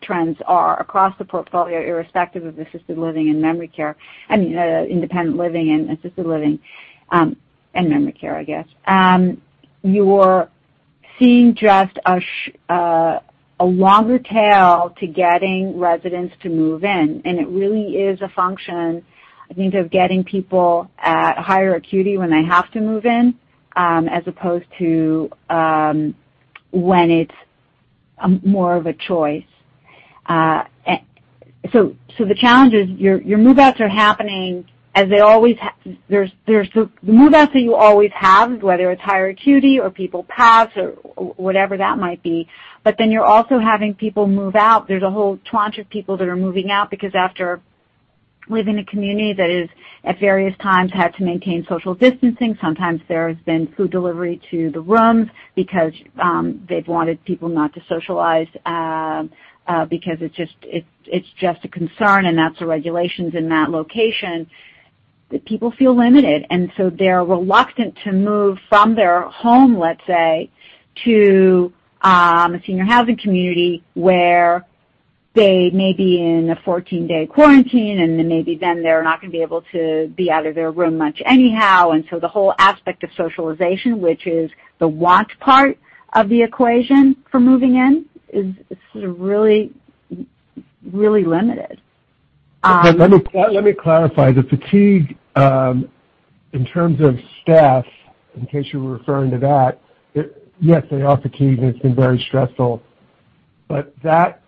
trends are across the portfolio, irrespective of assisted living and memory care, I mean, independent living and assisted living, and memory care, I guess. You're seeing just a longer tail to getting residents to move in, it really is a function, I think, of getting people at higher acuity when they have to move in, as opposed to when it's more of a choice. The challenge is, your move-outs are happening as they always have. There's the move-outs that you always have, whether it's higher acuity or people pass or whatever that might be. You're also having people move out. There's a whole tranche of people that are moving out because after living in a community that is, at various times, had to maintain social distancing, sometimes there has been food delivery to the rooms because they've wanted people not to socialize, because it's just a concern and that's the regulations in that location, that people feel limited. They're reluctant to move from their home, let's say, to a senior housing community where they may be in a 14-day quarantine and then maybe then they're not going to be able to be out of their room much anyhow. The whole aspect of socialization, which is the want part of the equation for moving in, is sort of really limited. Let me clarify. The fatigue, in terms of staff, in case you were referring to that, yes, they are fatigued and it's been very stressful. That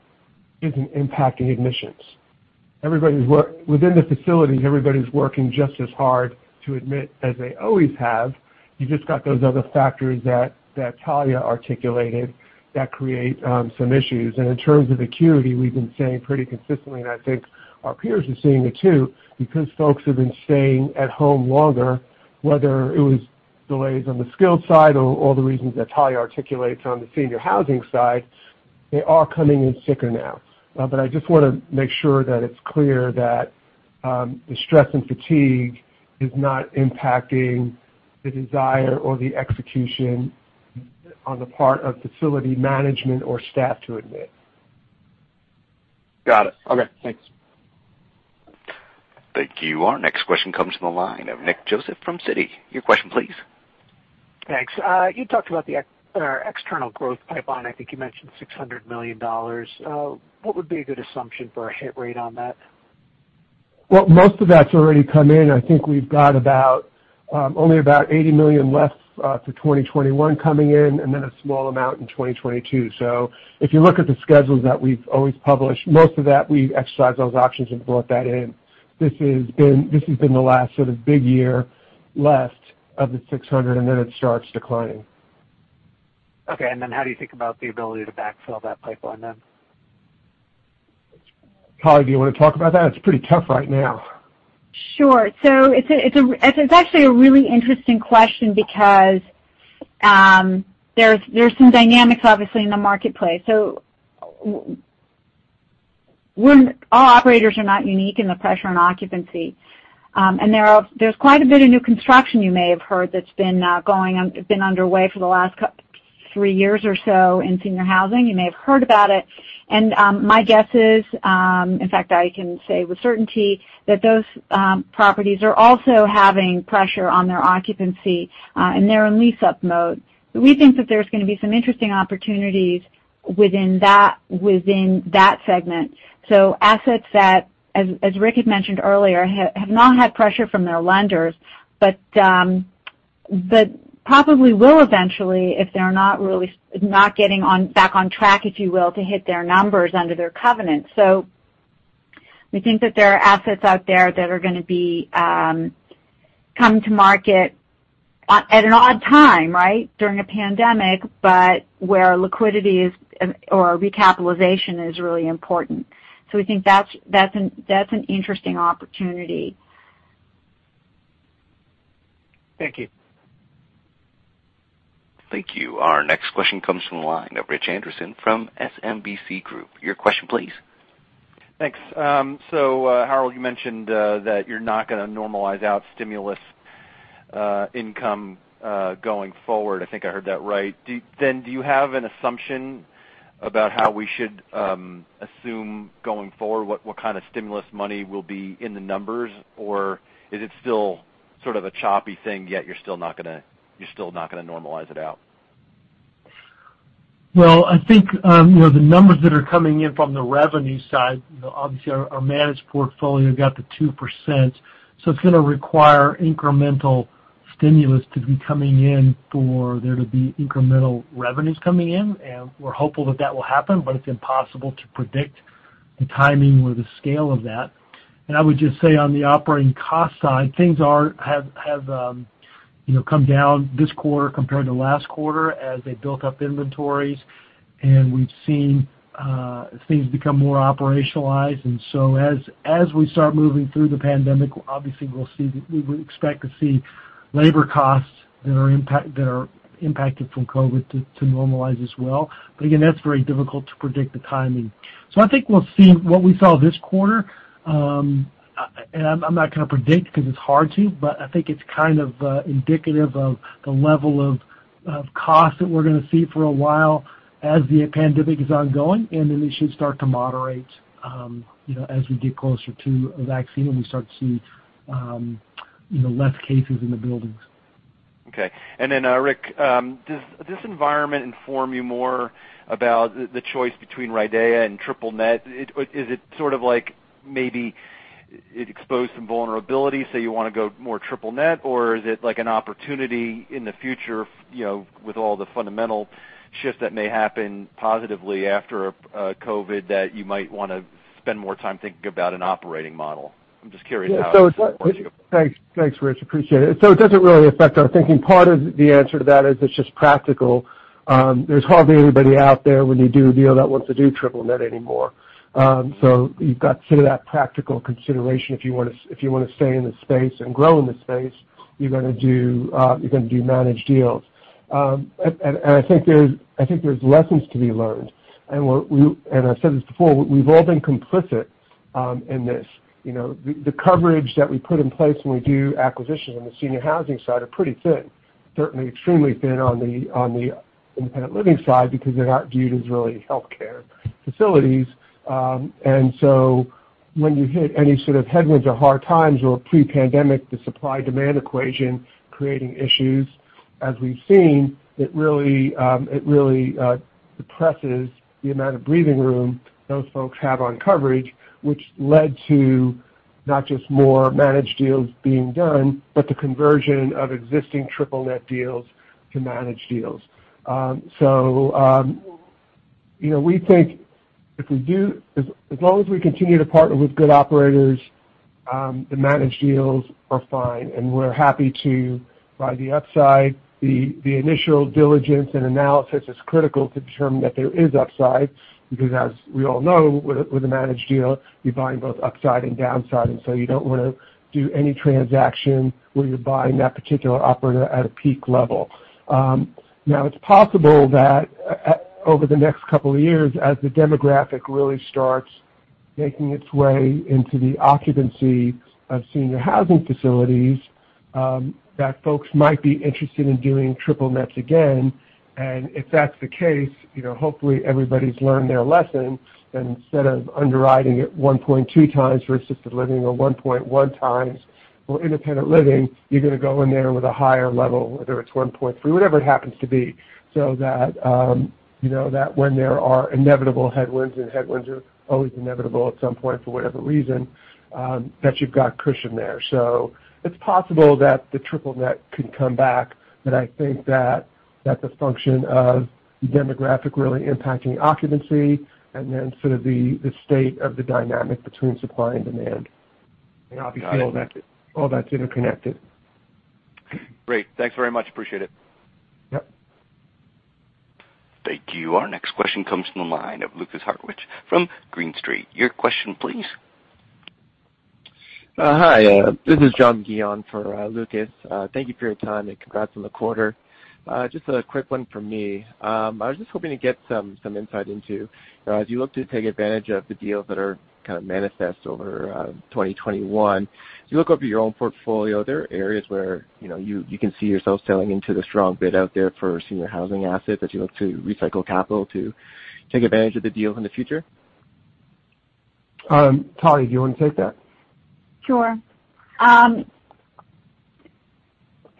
isn't impacting admissions. Within the facilities, everybody's working just as hard to admit as they always have. You've just got those other factors that Talya articulated that create some issues. In terms of acuity, we've been saying pretty consistently, and I think our peers are seeing it too, because folks have been staying at home longer, whether it was delays on the skilled side or the reasons that Talya articulates on the senior housing side, they are coming in sicker now. I just want to make sure that it's clear that the stress and fatigue is not impacting the desire or the execution on the part of facility management or staff to admit. Got it. Okay. Thanks. Thank you. Our next question comes from the line of Nick Joseph from Citi. Your question, please. Thanks. You talked about the external growth pipeline. I think you mentioned $600 million. What would be a good assumption for a hit rate on that? Well, most of that's already come in. I think we've got only about $80 million left for 2021 coming in, and then a small amount in 2022. If you look at the schedules that we've always published, most of that, we've exercised those options and brought that in. This has been the last sort of big year left of the 600, and then it starts declining. Okay. How do you think about the ability to backfill that pipeline then? Talya, do you want to talk about that? It's pretty tough right now. Sure. It's actually a really interesting question because there's some dynamics, obviously, in the marketplace. All operators are not unique in the pressure on occupancy. There's quite a bit of new construction you may have heard that's been underway for the last three years or so in senior housing. You may have heard about it. My guess is, in fact, I can say with certainty, that those properties are also having pressure on their occupancy, and they're in lease-up mode. We think that there's going to be some interesting opportunities within that segment. Assets that, as Rick had mentioned earlier, have not had pressure from their lenders, but probably will eventually if they're not getting back on track, if you will, to hit their numbers under their covenant. We think that there are assets out there that are going to come to market at an odd time, right? During a pandemic, but where liquidity or recapitalization is really important. We think that's an interesting opportunity. Thank you. Thank you. Our next question comes from the line of Richard Anderson from SMBC Group. Your question, please. Thanks. Harold, you mentioned that you're not going to normalize out stimulus income going forward. I think I heard that right. Do you have an assumption about how we should assume going forward what kind of stimulus money will be in the numbers, or is it still sort of a choppy thing, yet you're still not going to normalize it out? Well, I think the numbers that are coming in from the revenue side, obviously our managed portfolio got the 2%, so it's going to require incremental stimulus to be coming in for there to be incremental revenues coming in, and we're hopeful that that will happen, but it's impossible to predict the timing or the scale of that. I would just say on the operating cost side, things have come down this quarter compared to last quarter as they built up inventories, and we've seen things become more operationalized. As we start moving through the pandemic, obviously we expect to see labor costs that are impacted from COVID to normalize as well. Again, that's very difficult to predict the timing. I think we'll see what we saw this quarter, and I'm not going to predict because it's hard to, but I think it's kind of indicative of the level of costs that we're going to see for a while as the pandemic is ongoing, and then they should start to moderate as we get closer to a vaccine and we start to see less cases in the buildings. Okay. Rick, does this environment inform you more about the choice between RIDEA and triple net? Is it sort of like maybe it exposed some vulnerabilities, so you want to go more triple net, or is it like an opportunity in the future with all the fundamental shifts that may happen positively after COVID that you might want to spend more time thinking about an operating model? I'm just curious how. Thanks, Rich. Appreciate it. It doesn't really affect our thinking. Part of the answer to that is it's just practical. There's hardly anybody out there when you do a deal that wants to do triple net anymore. You've got sort of that practical consideration if you want to stay in the space and grow in the space, you're going to do managed deals. I think there's lessons to be learned. I've said this before, we've all been complicit in this. The coverage that we put in place when we do acquisitions on the senior housing side are pretty thin, certainly extremely thin on the independent living side because they're not viewed as really healthcare facilities. When you hit any sort of headwinds or hard times or pre-pandemic, the supply-demand equation creating issues, as we've seen, it really depresses the amount of breathing room those folks have on coverage, which led to not just more managed deals being done, but the conversion of existing triple net deals to managed deals. We think as long as we continue to partner with good operators, the managed deals are fine, and we're happy to ride the upside. The initial diligence and analysis is critical to determine that there is upside, because as we all know, with a managed deal, you're buying both upside and downside, and so you don't want to do any transaction where you're buying that particular operator at a peak level. It's possible that over the next couple of years, as the demographic really starts making its way into the occupancy of senior housing facilities, that folks might be interested in doing triple nets again. If that's the case, hopefully everybody's learned their lesson. Instead of underwriting it 1.2x for assisted living or 1.1x for independent living, you're going to go in there with a higher level, whether it's 1.3x, whatever it happens to be, so that when there are inevitable headwinds, and headwinds are always inevitable at some point for whatever reason, that you've got cushion there. It's possible that the triple net could come back, but I think that's a function of the demographic really impacting occupancy and then sort of the state of the dynamic between supply and demand. Obviously, all that's interconnected. Great. Thanks very much. Appreciate it. Yep. Thank you. Our next question comes from the line of Lukas Hartwich from Green Street. Your question, please. Hi, this is John Gion for Lukas. Thank you for your time. Congrats on the quarter. Just a quick one from me. I was just hoping to get some insight into, as you look to take advantage of the deals that are kind of manifest over 2021, as you look over your own portfolio, there are areas where you can see yourself selling into the strong bid out there for senior housing assets as you look to recycle capital to take advantage of the deals in the future? Talya, do you want to take that?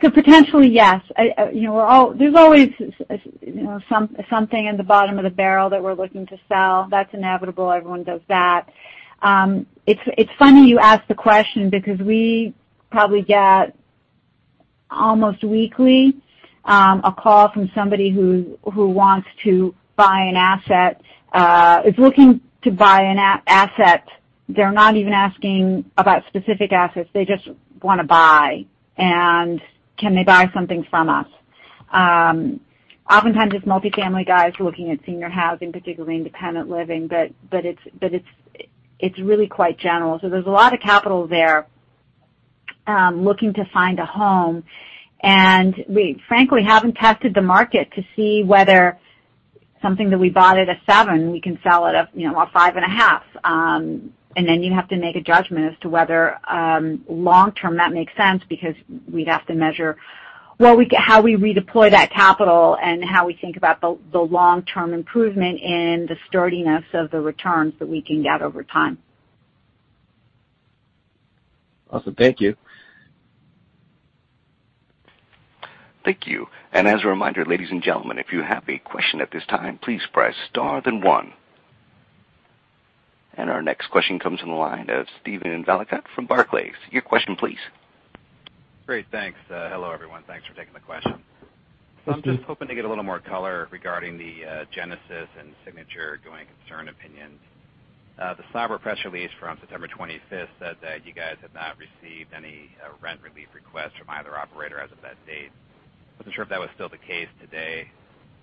Sure. Potentially, yes. There's always something in the bottom of the barrel that we're looking to sell. That's inevitable. Everyone does that. It's funny you ask the question because we probably get almost weekly, a call from somebody who wants to buy an asset, is looking to buy an asset. They're not even asking about specific assets. They just want to buy, and can they buy something from us. Oftentimes, it's multifamily guys looking at senior housing, particularly independent living, but it's really quite general. There's a lot of capital there looking to find a home, and we frankly, haven't tested the market to see whether something that we bought at a seven, we can sell at a five and a half. Then you have to make a judgment as to whether long term that makes sense because we'd have to measure how we redeploy that capital and how we think about the long-term improvement in the sturdiness of the returns that we can get over time. Awesome. Thank you. Thank you. As a reminder, ladies and gentlemen, if you have a question at this time, please press star, then one. Our next question comes from the line of Steven Valiquette from Barclays. Your question, please. Great. Thanks. Hello, everyone. Thanks for taking the question. I'm just hoping to get a little more color regarding the Genesis and Signature going concern opinions. The Sabra press release from September 25th said that you guys have not received any rent relief requests from either operator as of that date. I wasn't sure if that was still the case today,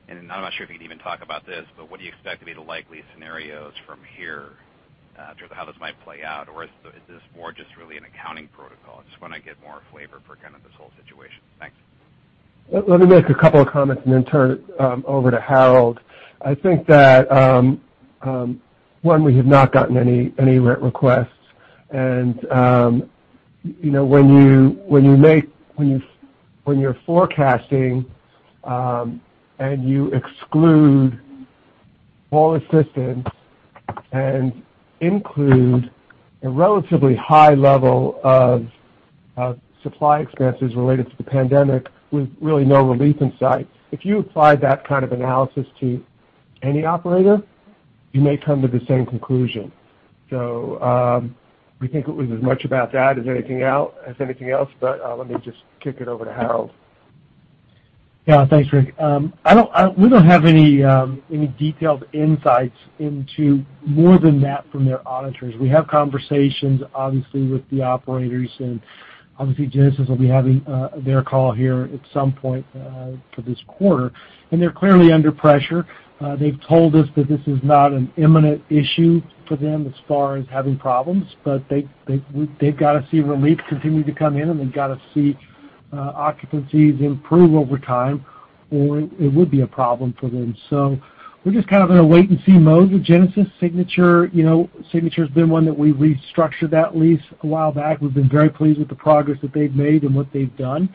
and I'm not sure if you can even talk about this, but what do you expect to be the likely scenarios from here in terms of how this might play out? Is this more just really an accounting protocol? I just want to get more flavor for kind of this whole situation. Thanks. Let me make a couple of comments and then turn it over to Harold. I think that, one, we have not gotten any rent requests. When you're forecasting, and you exclude all assistance and include a relatively high level of supply expenses related to the pandemic with really no relief in sight. If you apply that kind of analysis to any operator, you may come to the same conclusion. We think it was as much about that as anything else. Let me just kick it over to Harold. Yeah. Thanks, Rick. We don't have any detailed insights into more than that from their auditors. We have conversations, obviously, with the operators. Obviously, Genesis will be having their call here at some point for this quarter, and they're clearly under pressure. They've told us that this is not an imminent issue for them as far as having problems, but they've got to see relief continue to come in, and they've got to see occupancies improve over time, or it would be a problem for them. We're just kind of in a wait-and-see mode with Genesis. Signature's been one that we restructured that lease a while back. We've been very pleased with the progress that they've made and what they've done.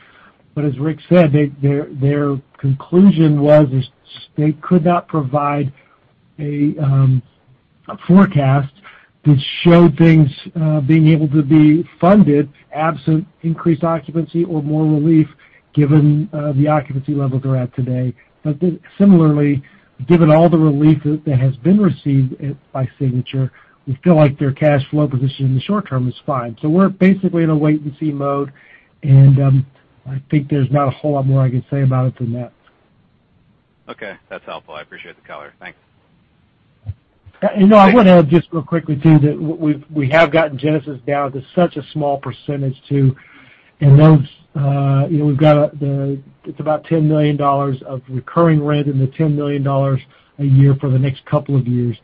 As Rick said, their conclusion was they could not provide a forecast that showed things being able to be funded absent increased occupancy or more relief given the occupancy levels they're at today. Similarly, given all the relief that has been received by Signature HealthCARE, we feel like their cash flow position in the short term is fine. We're basically in a wait-and-see mode, and I think there's not a whole lot more I can say about it than that. Okay. That's helpful. I appreciate the color. Thanks. I want to add just real quickly, too, that we have gotten Genesis down to such a small percentage, too. It's about $10 million of recurring rent and the $10 million a year for the next couple of years.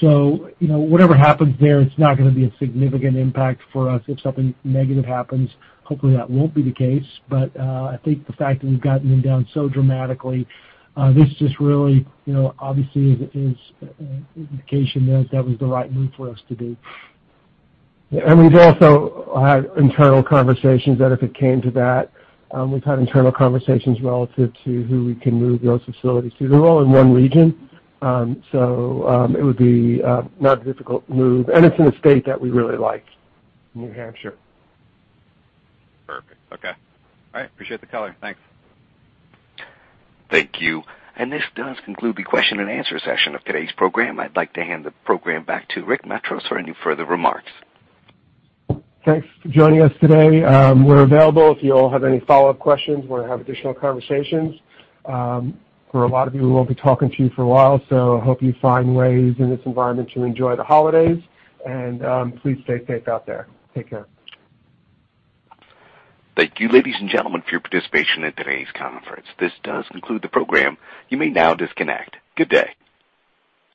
Whatever happens there, it's not going to be a significant impact for us if something negative happens. Hopefully, that won't be the case. I think the fact that we've gotten them down so dramatically, this just really obviously is indication that that was the right move for us to do. We've also had internal conversations that if it came to that, we've had internal conversations relative to who we can move those facilities to. They're all in one region, so it would be not a difficult move. It's in a state that we really like, New Hampshire. Perfect. Okay. All right. Appreciate the color. Thanks. Thank you. This does conclude the question and answer session of today's program. I'd like to hand the program back to Rick Matros for any further remarks. Thanks for joining us today. We're available if you all have any follow-up questions or have additional conversations. For a lot of you, we won't be talking to you for a while, so I hope you find ways in this environment to enjoy the holidays, and please stay safe out there. Take care. Thank you, ladies and gentlemen, for your participation in today's conference. This does conclude the program. You may now disconnect. Good day.